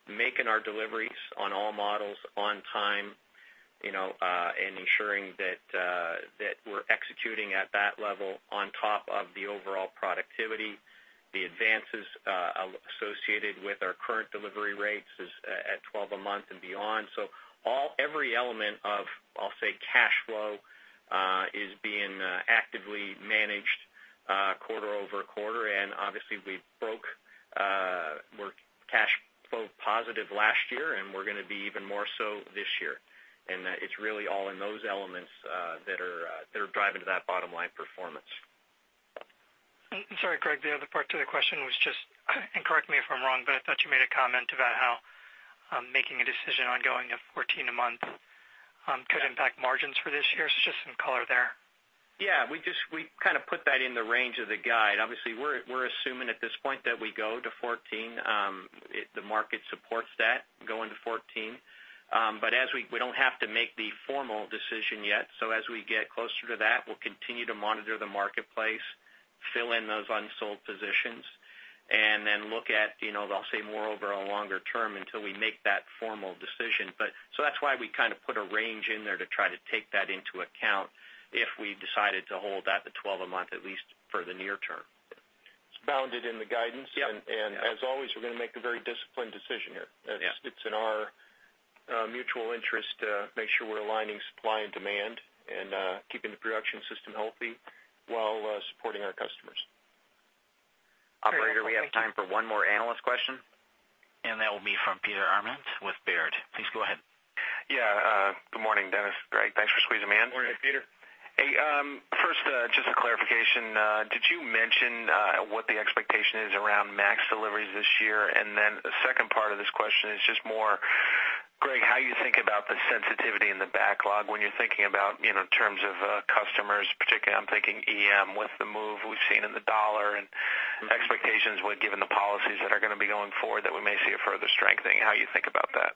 Making our deliveries on all models on time, and ensuring that we're executing at that level on top of the overall productivity, the advances associated with our current delivery rates at 12 a month and beyond. Every element of, I'll say, cash flow is being actively managed quarter-over-quarter, and obviously we're cash flow positive last year, and we're going to be even more so this year. It's really all in those elements that are driving to that bottom-line performance. Sorry, Greg, the other part to the question was just, and correct me if I'm wrong, but I thought you made a comment about how making a decision on going to 14 a month could impact margins for this year. Just some color there. Yeah, we kind of put that in the range of the guide. Obviously, we're assuming at this point that we go to 14. The market supports that, going to 14. We don't have to make the formal decision yet. As we get closer to that, we'll continue to monitor the marketplace, fill in those unsold positions, and then look at, I'll say, more over a longer term until we make that formal decision. That's why we kind of put a range in there to try to take that into account if we decided to hold at the 12 a month, at least for the near term. It's bounded in the guidance. Yep. As always, we're going to make a very disciplined decision here. Yeah. It's in our mutual interest to make sure we're aligning supply and demand and keeping the production system healthy while supporting our customers. Very helpful. Thank you. Operator, we have time for one more analyst question, and that will be from Peter Arment with Baird. Please go ahead. Yeah, good morning, Dennis, Greg. Thanks for squeezing me in. Morning, Peter. Hey, first, just a clarification. Did you mention what the expectation is around MAX deliveries this year? The second part of this question is just more, Greg, how you think about the sensitivity in the backlog when you're thinking about terms of customers, particularly I'm thinking EM with the move we've seen in the dollar and expectations with given the policies that are going to be going forward that we may see a further strengthening, how you think about that?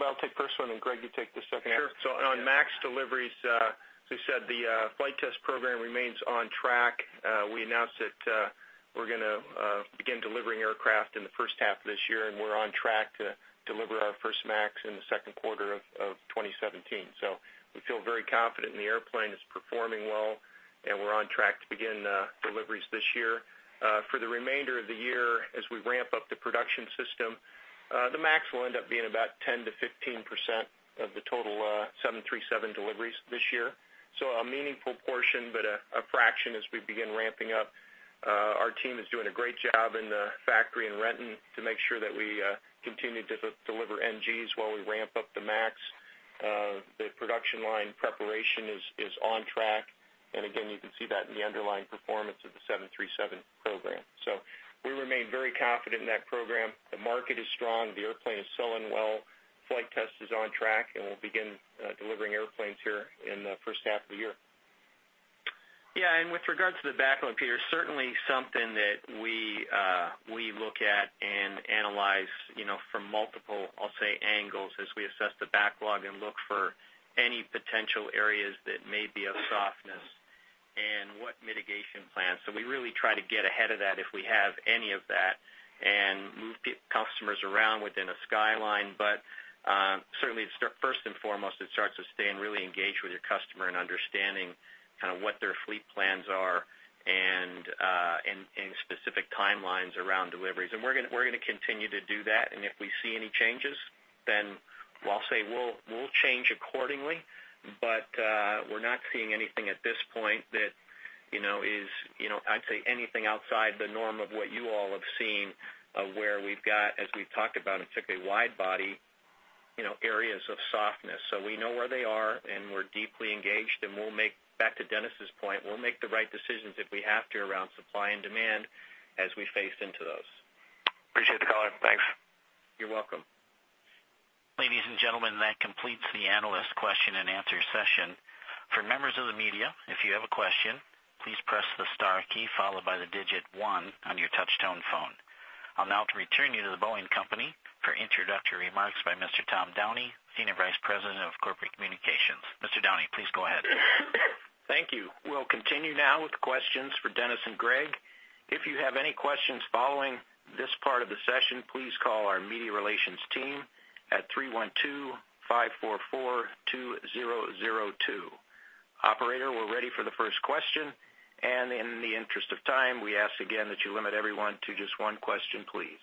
I'll take the first one, and Greg, you take the second. Sure. On MAX deliveries, as we said, the flight test program remains on track. We announced that we're going to begin delivering aircraft in the first half of this year, and we're on track to deliver our first MAX in the second quarter of 2017. We feel very confident, and the airplane is performing well, and we're on track to begin deliveries this year. For the remainder of the year, as we ramp up the production system, the MAX will end up being about 10%-15% of the total 737 deliveries this year. A meaningful portion, but a fraction as we begin ramping up. Our team is doing a great job in the factory in Renton to make sure that we continue to deliver NGs while we ramp up the MAX. The production line preparation is on track. Again, you can see that in the underlying performance of the 737 program. We remain very confident in that program. The market is strong. The airplane is selling well. Flight test is on track, and we'll begin delivering airplanes here in the first half of the year. With regards to the backlog, Peter, certainly something that we look at and analyze from multiple, I'll say, angles as we assess the backlog and look for any potential areas that may be of softness and what mitigation plans. We really try to get ahead of that if we have any of that and move customers around within a skyline. Certainly, first and foremost, it starts with staying really engaged with your customer and understanding what their fleet plans are and specific timelines around deliveries. We're going to continue to do that, and if we see any changes, then we'll say we'll change accordingly. We're not seeing anything at this point that is, I'd say, anything outside the norm of what you all have seen, where we've got, as we've talked about, in particularly wide-body, areas of softness. We know where they are, and we're deeply engaged, and back to Dennis's point, we'll make the right decisions if we have to around supply and demand as we face into those. Appreciate the color. Thanks. You're welcome. Ladies and gentlemen, that completes the analyst question and answer session. For members of the media, if you have a question, please press the star key followed by the digit 1 on your touch tone phone. I'll now return you to The Boeing Company for introductory remarks by Mr. Tom Downey, Senior Vice President of Corporate Communications. Mr. Downey, please go ahead. Thank you. We'll continue now with questions for Dennis and Greg. If you have any questions following this part of the session, please call our media relations team at 312-544-2002. Operator, we're ready for the first question, in the interest of time, we ask again that you limit everyone to just one question, please.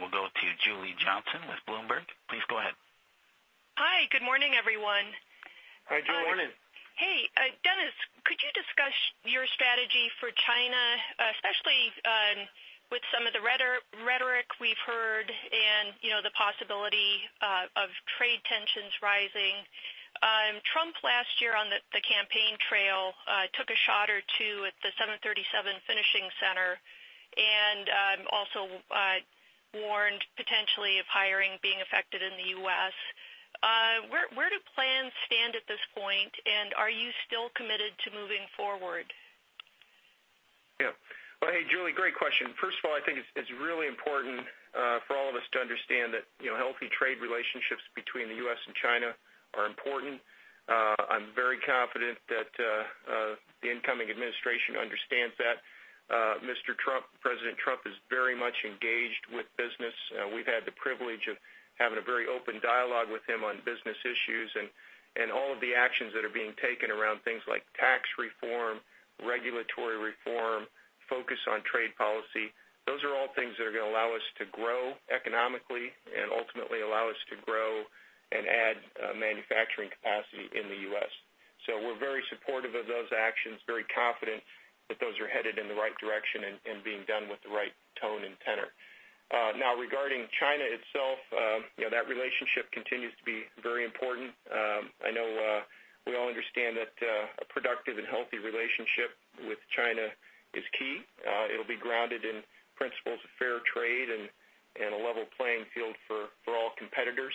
We'll go to Julie Johnsson with Bloomberg. Please go ahead. Hi, good morning, everyone. Hi, Julie. Good morning. Hey, Dennis, could you discuss your strategy for China, especially with some of the rhetoric we've heard and the possibility of trade tensions rising. Trump last year on the campaign trail took a shot or two at the 737 finishing center and also warned potentially of hiring being affected in the U.S. Where do plans stand at this point, and are you still committed to moving forward? Yeah. Well, hey, Julie, great question. First of all, I think it's really important for all of us to understand that healthy trade relationships between the U.S. and China are important. I'm very confident that the incoming administration understands that. Mr. Trump, President Trump, is very much engaged with business. We've had the privilege of having a very open dialogue with him on business issues and all of the actions that are being taken around things like tax reform, regulatory reform, focus on trade policy. Those are all things that are going to allow us to grow economically and ultimately allow us to grow and add manufacturing capacity in the U.S. We're very supportive of those actions, very confident that those are headed in the right direction and being done with the right tone and tenor. Regarding China itself, that relationship continues to be very important. I know we all understand that a productive and healthy relationship with China is key. It'll be grounded in principles of fair trade and a level playing field for all competitors.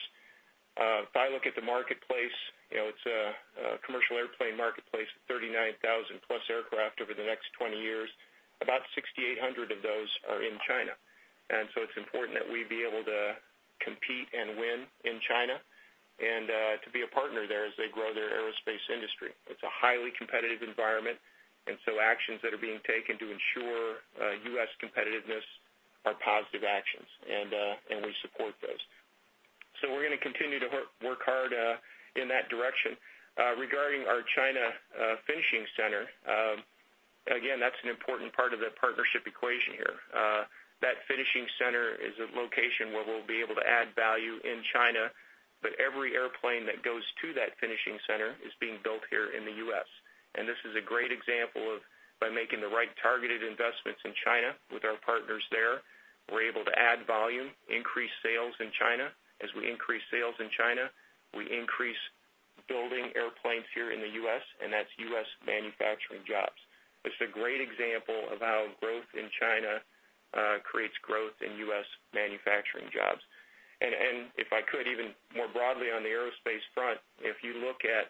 If I look at the marketplace, it's a commercial airplane marketplace of 39,000 plus aircraft over the next 20 years. About 6,800 of those are in China. It's important that we be able to compete and win in China and to be a partner there as they grow their aerospace industry. It's a highly competitive environment, and so actions that are being taken to ensure U.S. competitiveness are positive actions, and we support those. We're going to continue to work hard in that direction. Regarding our China finishing center, again, that's an important part of the partnership equation here. That finishing center is a location where we'll be able to add value in China, but every airplane that goes to that finishing center is being built here in the U.S. This is a great example of by making the right targeted investments in China with our partners there, we're able to add volume, increase sales in China. As we increase sales in China, we increase building airplanes here in the U.S., and that's U.S. manufacturing jobs. It's a great example of how growth in China creates growth in U.S. manufacturing jobs. If I could, even more broadly on the aerospace front, if you look at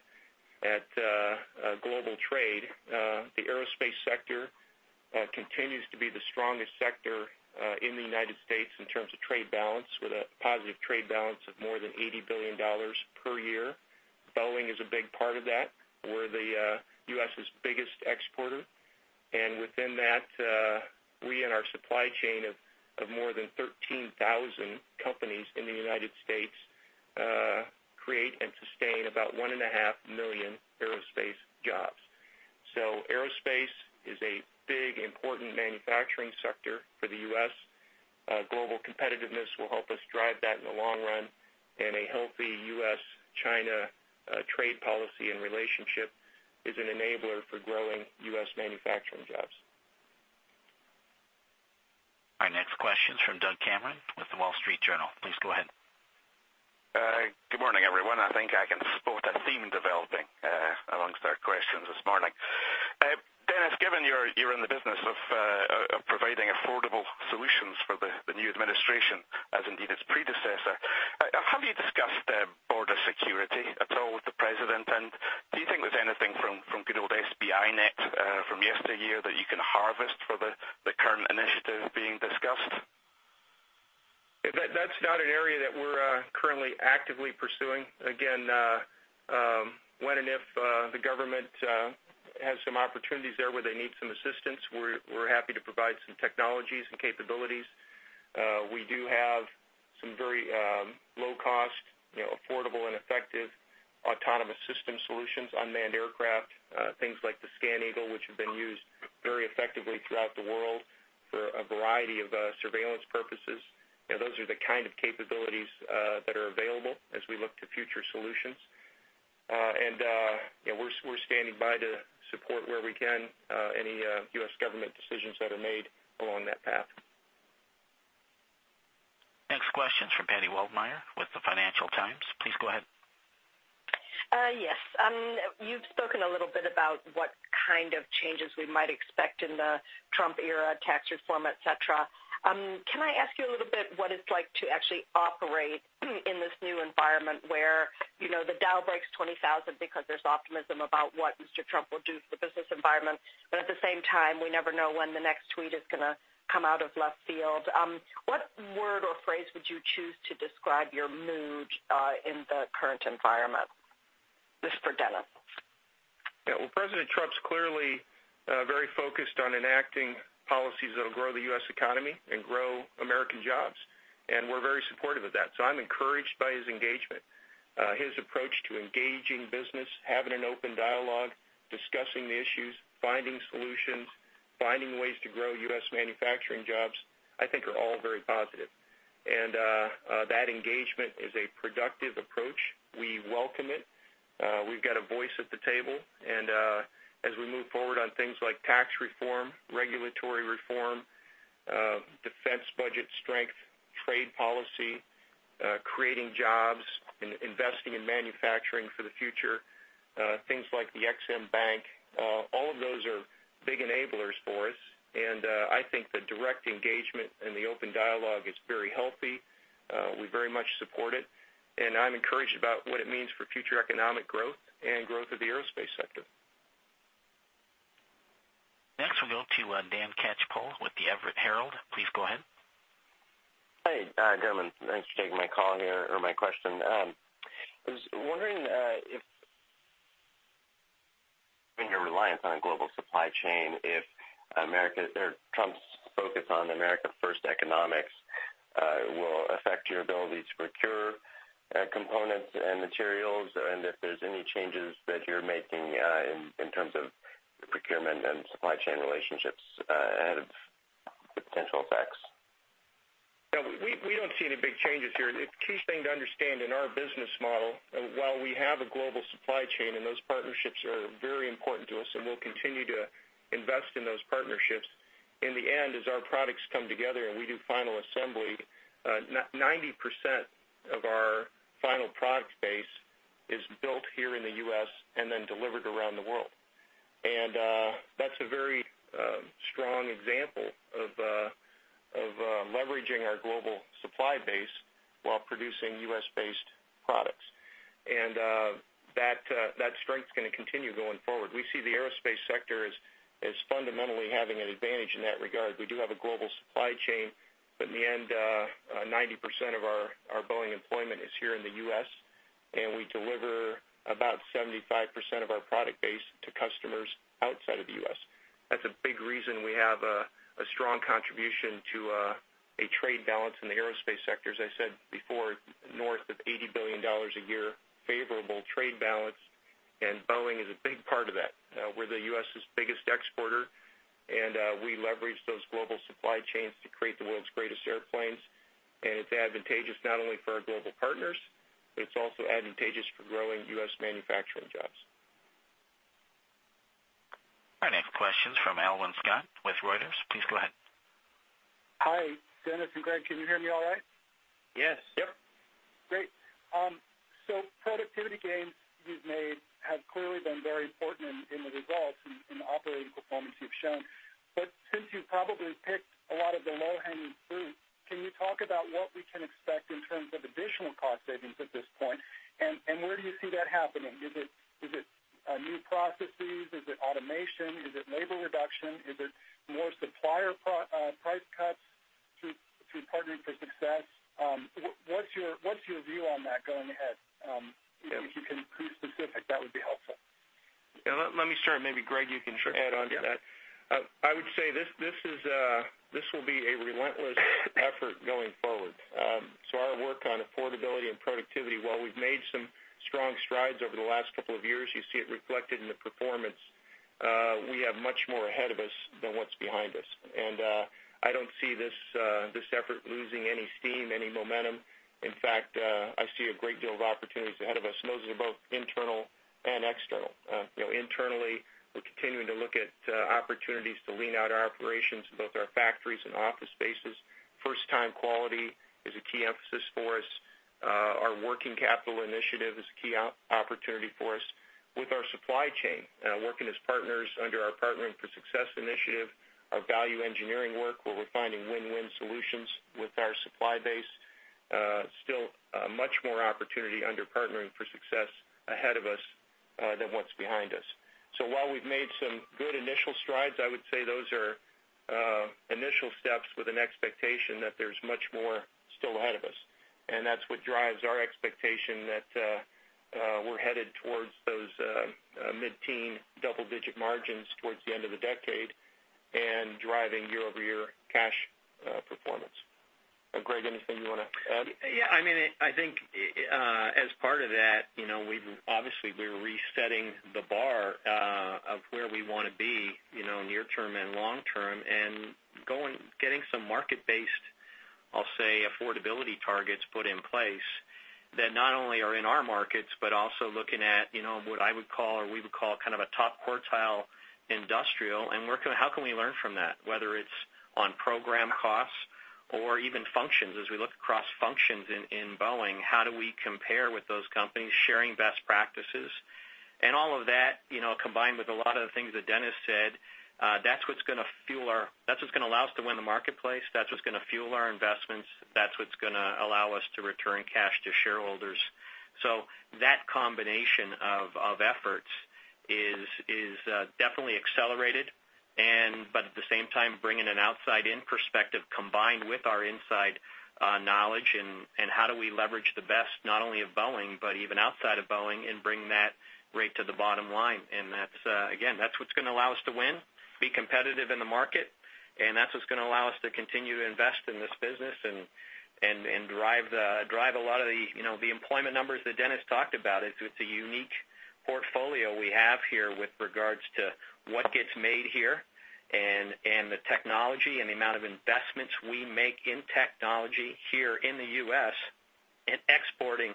global trade. The aerospace sector continues to be the strongest sector in the United States in terms of trade balance, with a positive trade balance of more than $80 billion per year. Boeing is a big part of that. We're the U.S.' biggest exporter. Within that, we and our supply chain of more than 13,000 companies in the United States, create and sustain about one and a half million aerospace jobs. Aerospace is a big, important manufacturing sector for the U.S. Global competitiveness will help us drive that in the long run, and a healthy U.S.-China trade policy and relationship is an enabler for growing U.S. manufacturing jobs. Our next question's from Doug Cameron with The Wall Street Journal. Please go ahead. Good morning, everyone. I think I can spot a theme developing amongst our questions this morning. Dennis, given you're in the business of providing affordable solutions for the new administration, as indeed its predecessor, have you discussed border security at all with the President? Do you think there's anything from good old SBInet from yesteryear that you can harvest for the current initiative being discussed? That's not an area that we're currently actively pursuing. Again, when and if the government has some opportunities there where they need some assistance, we're happy to provide some technologies and capabilities. We do have some very low-cost, affordable, and effective autonomous system solutions, unmanned aircraft, things like the ScanEagle, which have been used very effectively throughout the world for a variety of surveillance purposes. Those are the kind of capabilities that are available as we look to future solutions. We're standing by to support where we can any U.S. government decisions that are made along that path. Next question's from Patti Waldmeir with the Financial Times. Please go ahead. Yes. You've spoken a little bit about what kind of changes we might expect in the Trump era, tax reform, et cetera. Can I ask you a little bit what it's like to actually operate in this new environment where the Dow breaks 20,000 because there's optimism about what Mr. Trump will do for the business environment, but at the same time, we never know when the next tweet is going to come out of left field? What word or phrase would you choose to describe your mood in the current environment? This is for Dennis. Yeah. Well, President Trump's clearly very focused on enacting policies that'll grow the U.S. economy and grow American jobs, and we're very supportive of that. His approach to engaging business, having an open dialogue, discussing the issues, finding solutions, finding ways to grow U.S. manufacturing jobs, I think are all very positive. That engagement is a productive approach. We welcome it. We've got a voice at the table, and as we move forward on things like tax reform, regulatory reform, defense budget strength, trade policy, creating jobs, investing in manufacturing for the future, things like the Ex-Im Bank, all of those are big enablers for us. I think the direct engagement and the open dialogue is very healthy. We very much support it, and I'm encouraged about what it means for future economic growth and growth of the aerospace sector. Next we'll go to Dan Catchpole with "The Everett Herald." Please go ahead. Hey, gentlemen. Thanks for taking my call here or my question. I was wondering if, in your reliance on a global supply chain, if Trump's focus on America First economics will affect your ability to procure components and materials, and if there's any changes that you're making in terms of procurement and supply chain relationships ahead of the potential effects. No, we don't see any big changes here. The key thing to understand in our business model, while we have a global supply chain, and those partnerships are very important to us, and we'll continue to invest in those partnerships, in the end, as our products come together and we do final assembly, 90% of our final product base is built here in the U.S. and then delivered around the world. That's a very strong example of leveraging our global supply base while producing U.S.-based products. That strength's going to continue going forward. We see the aerospace sector as fundamentally having an advantage in that regard. We do have a global supply chain, but in the end, 90% of our Boeing employment is here in the U.S., and we deliver about 75% of our product base to customers outside of the U.S. That's a big reason we have a strong contribution to a trade balance in the aerospace sector. As I said before, north of $80 billion a year favorable trade balance, Boeing is a big part of that. We're the U.S.'s biggest exporter, we leverage those global supply chains to create the world's greatest airplanes. It's advantageous not only for our global partners, but it's also advantageous for growing U.S. manufacturing jobs. Our next question's from Alwyn Scott with Reuters. Please go ahead. Hi, Dennis and Greg. Can you hear me all right? Yes. Yep. Great. Productivity gains you've made have clearly been results in the operating performance you've shown. Since you've probably picked a lot of the low-hanging fruit, can you talk about what we can expect in terms of additional cost savings at this point? Where do you see that happening? Is it new processes? Is it automation? Is it labor reduction? Is it more supplier price cuts through Partnering for Success? What's your view on that going ahead? If you can be specific, that would be helpful. Yeah, let me start. Maybe, Greg, you can add onto that. I would say this will be a relentless effort going forward. Our work on affordability and productivity, while we've made some strong strides over the last couple of years, you see it reflected in the performance, we have much more ahead of us than what's behind us. I don't see this effort losing any steam, any momentum. In fact, I see a great deal of opportunities ahead of us, and those are both internal and external. Internally, we're continuing to look at opportunities to lean out our operations in both our factories and office spaces. First-time quality is a key emphasis for us. Our working capital initiative is a key opportunity for us. With our supply chain, working as partners under our Partnering for Success initiative, our value engineering work, where we're finding win-win solutions with our supply base, still much more opportunity under Partnering for Success ahead of us, than what's behind us. While we've made some good initial strides, I would say those are initial steps with an expectation that there's much more still ahead of us, and that's what drives our expectation that we're headed towards those mid-teen double-digit margins towards the end of the decade and driving year-over-year cash performance. Greg, anything you want to add? Yeah, I think, as part of that, obviously, we're resetting the bar of where we want to be, near term and long term, and getting some market-based, I'll say, affordability targets put in place that not only are in our markets, but also looking at what I would call, or we would call, a top quartile industrial, and how can we learn from that, whether it's on program costs or even functions. As we look across functions in Boeing, how do we compare with those companies sharing best practices? All of that, combined with a lot of the things that Dennis said, that's what's going to allow us to win the marketplace. That's what's going to fuel our investments. That's what's going to allow us to return cash to shareholders. That combination of efforts is definitely accelerated, at the same time, bringing an outside-in perspective combined with our inside knowledge, and how do we leverage the best not only of Boeing, but even outside of Boeing, and bring that right to the bottom line. Again, that's what's going to allow us to win, be competitive in the market, and that's what's going to allow us to continue to invest in this business and drive a lot of the employment numbers that Dennis talked about. It's a unique portfolio we have here with regards to what gets made here and the technology and the amount of investments we make in technology here in the U.S. and exporting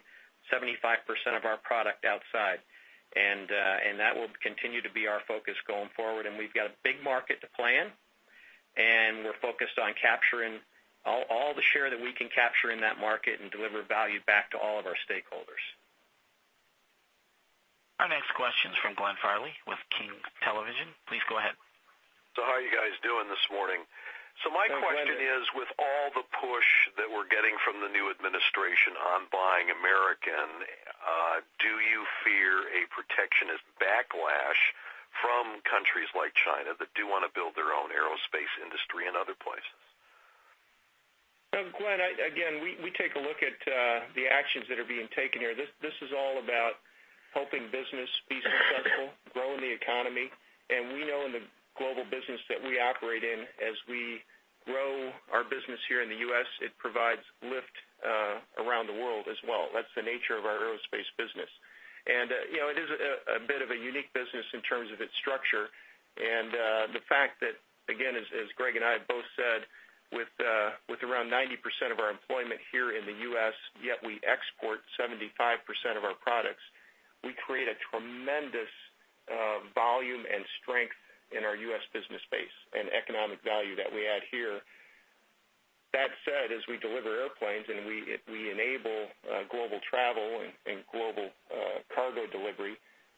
75% of our product outside. That will continue to be our focus going forward. We've got a big market to play in, and we're focused on capturing all the share that we can capture in that market and deliver value back to all of our stakeholders. Our next question is from Glenn Farley with KING-TV. Please go ahead. How are you guys doing this morning? Doing great. My question is, with all the push that we're getting from the new administration on buying American, do you fear a protectionist backlash from countries like China that do want to build their own aerospace industry and other places? Glenn, again, we take a look at the actions that are being taken here. This is all about helping business be successful, growing the economy, and we know in the global business that we operate in, as we grow our business here in the U.S., it provides lift around the world as well. That's the nature of our aerospace business. It is a bit of a unique business in terms of its structure, the fact that, again, as Greg and I have both said, with around 90% of our employment here in the U.S., yet we export 75% of our products, we create a tremendous volume and strength in our U.S. business base, an economic value that we add here. That said, as we deliver airplanes and we enable global travel and global cargo delivery,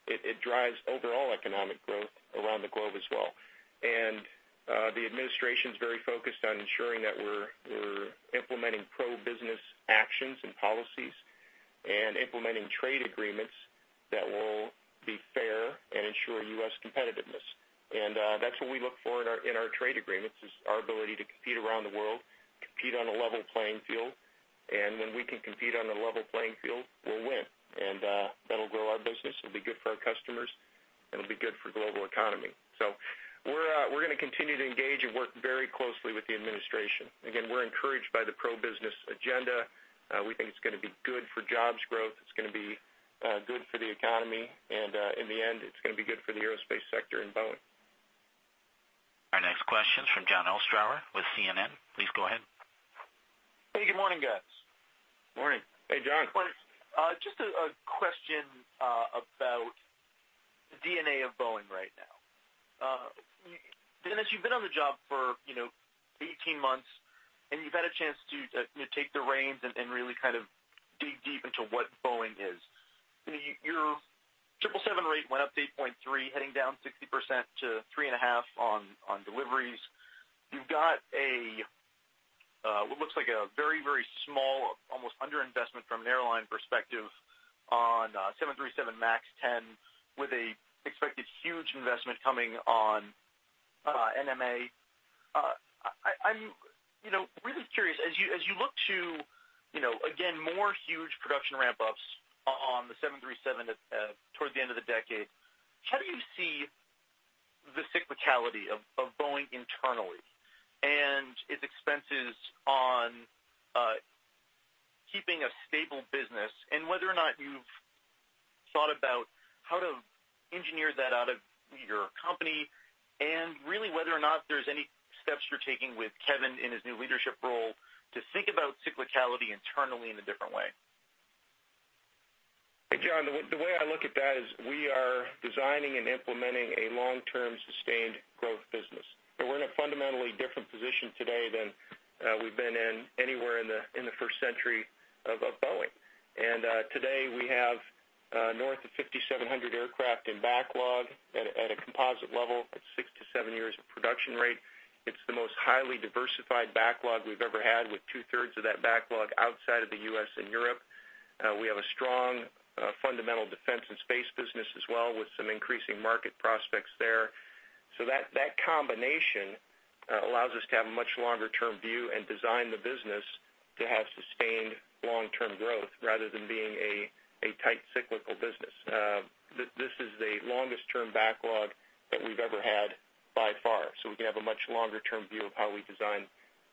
it drives overall economic growth around the globe as well. The administration's very focused on ensuring that we're implementing pro-business actions and policies and implementing trade agreements that will be fair and ensure U.S. competitiveness. That's what we look for in our trade agreements, is our ability to compete around the world, compete on a level playing field. When we can compete on a level playing field, we'll win. That'll grow our business. It'll be good for our customers, and it'll be good for the global economy. We're going to continue to engage and work very closely with the administration. Again, we're encouraged by the pro-business agenda. We think it's going to be good for jobs growth. It's going to be good for the economy, and, in the end, it's going to be good for the aerospace sector and Boeing. Our next question is from Jon Ostrower with CNN. Please go ahead. Hey, good morning, guys. Morning. Hey, Jon. Just a question about the DNA of Boeing right now. Dennis, you've been on the job for 18 months, you've had a chance to take the reins and really dig deep into what Boeing is. Your 777 rate went up to 8.3, heading down 60% to three and a half on deliveries. You've got what looks like a very, very small, almost under-investment from an airline perspective on 737 MAX 10 with an expected huge investment coming on NMA. I'm really curious, as you look to, again, more huge production ramp-ups on the 737 toward the end of the decade, how do you see the cyclicality of Boeing internally and its expenses on keeping a stable business? Whether or not you've thought about how to engineer that out of your company, and really whether or not there's any steps you're taking with Kevin in his new leadership role to think about cyclicality internally in a different way. Hey, Jon, the way I look at that is we are designing and implementing a long-term, sustained growth business. We're in a fundamentally different position today than we've been in anywhere in the first century of Boeing. Today, we have north of 5,700 aircraft in backlog at a composite level, that's six to seven years of production rate. It's the most highly diversified backlog we've ever had with two-thirds of that backlog outside of the U.S. and Europe. We have a strong fundamental defense and space business as well, with some increasing market prospects there. That combination allows us to have a much longer-term view and design the business to have sustained long-term growth rather than being a tight cyclical business. This is the longest term backlog that we've ever had by far, so we can have a much longer-term view of how we design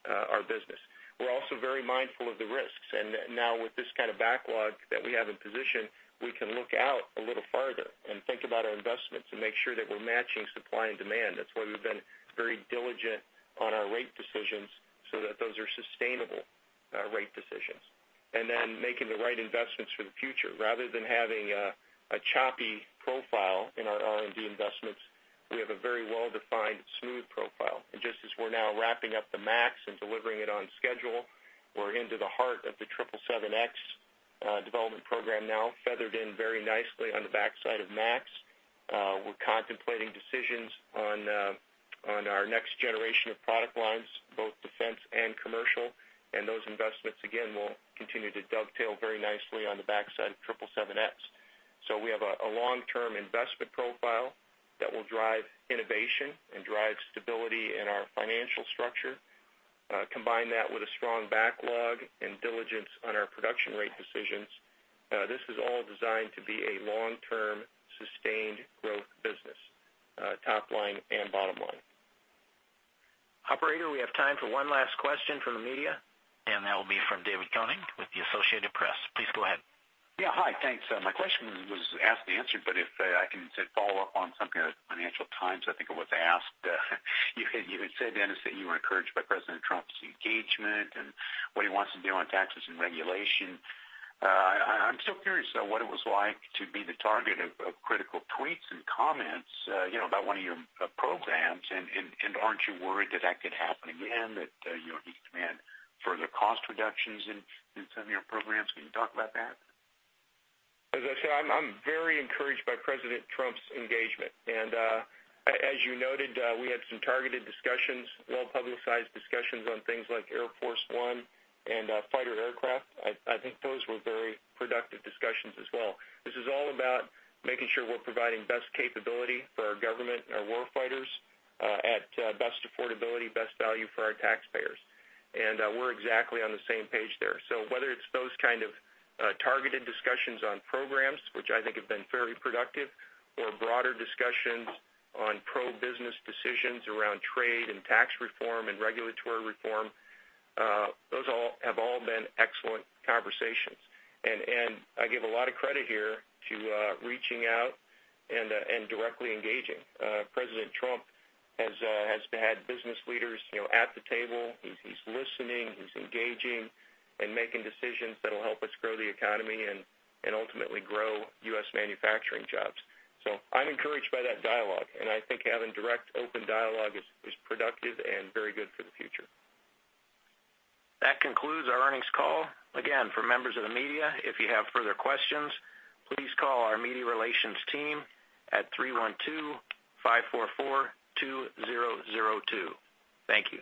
our business. We're also very mindful of the risks, now with this kind of backlog that we have in position, we can look out a little farther and think about our investments and make sure that we're matching supply and demand. That's why we've been very diligent on our rate decisions so that those are sustainable rate decisions. Making the right investments for the future. Rather than having a choppy profile in our R&D investments, we have a very well-defined, smooth profile. Just as we're now wrapping up the MAX and delivering it on schedule, we're into the heart of the 777X development program now, feathered in very nicely on the backside of MAX. We're contemplating decisions on our next generation of product lines, both defense and commercial. Those investments, again, will continue to dovetail very nicely on the backside of 777X. We have a long-term investment profile that will drive innovation and drive stability in our financial structure. Combine that with a strong backlog and diligence on our production rate decisions, this is all designed to be a long-term, sustained growth business, top line and bottom line. Operator, we have time for one last question from the media. That will be from David Koenig with the Associated Press. Please go ahead. Yeah. Hi. Thanks. My question was asked and answered, but if I can follow up on something that Financial Times, I think it was, asked. You had said, Dennis, that you were encouraged by President Trump's engagement and what he wants to do on taxes and regulation. I'm still curious, though, what it was like to be the target of critical tweets and comments, about one of your programs, and aren't you worried that could happen again, that he'll demand further cost reductions in some of your programs? Can you talk about that? As I said, I'm very encouraged by President Trump's engagement. As you noted, we had some targeted discussions, well-publicized discussions on things like Air Force One and fighter aircraft. I think those were very productive discussions as well. This is all about making sure we're providing best capability for our government and our war fighters, at best affordability, best value for our taxpayers. We're exactly on the same page there. Whether it's those kind of targeted discussions on programs, which I think have been very productive, or broader discussions on pro-business decisions around trade and tax reform and regulatory reform, those have all been excellent conversations. I give a lot of credit here to reaching out and directly engaging. President Trump has had business leaders at the table. He's listening, he's engaging and making decisions that'll help us grow the economy and ultimately grow U.S. manufacturing jobs. I'm encouraged by that dialogue, I think having direct open dialogue is productive and very good for the future. That concludes our earnings call. For members of the media, if you have further questions, please call our media relations team at 312-544-2002. Thank you.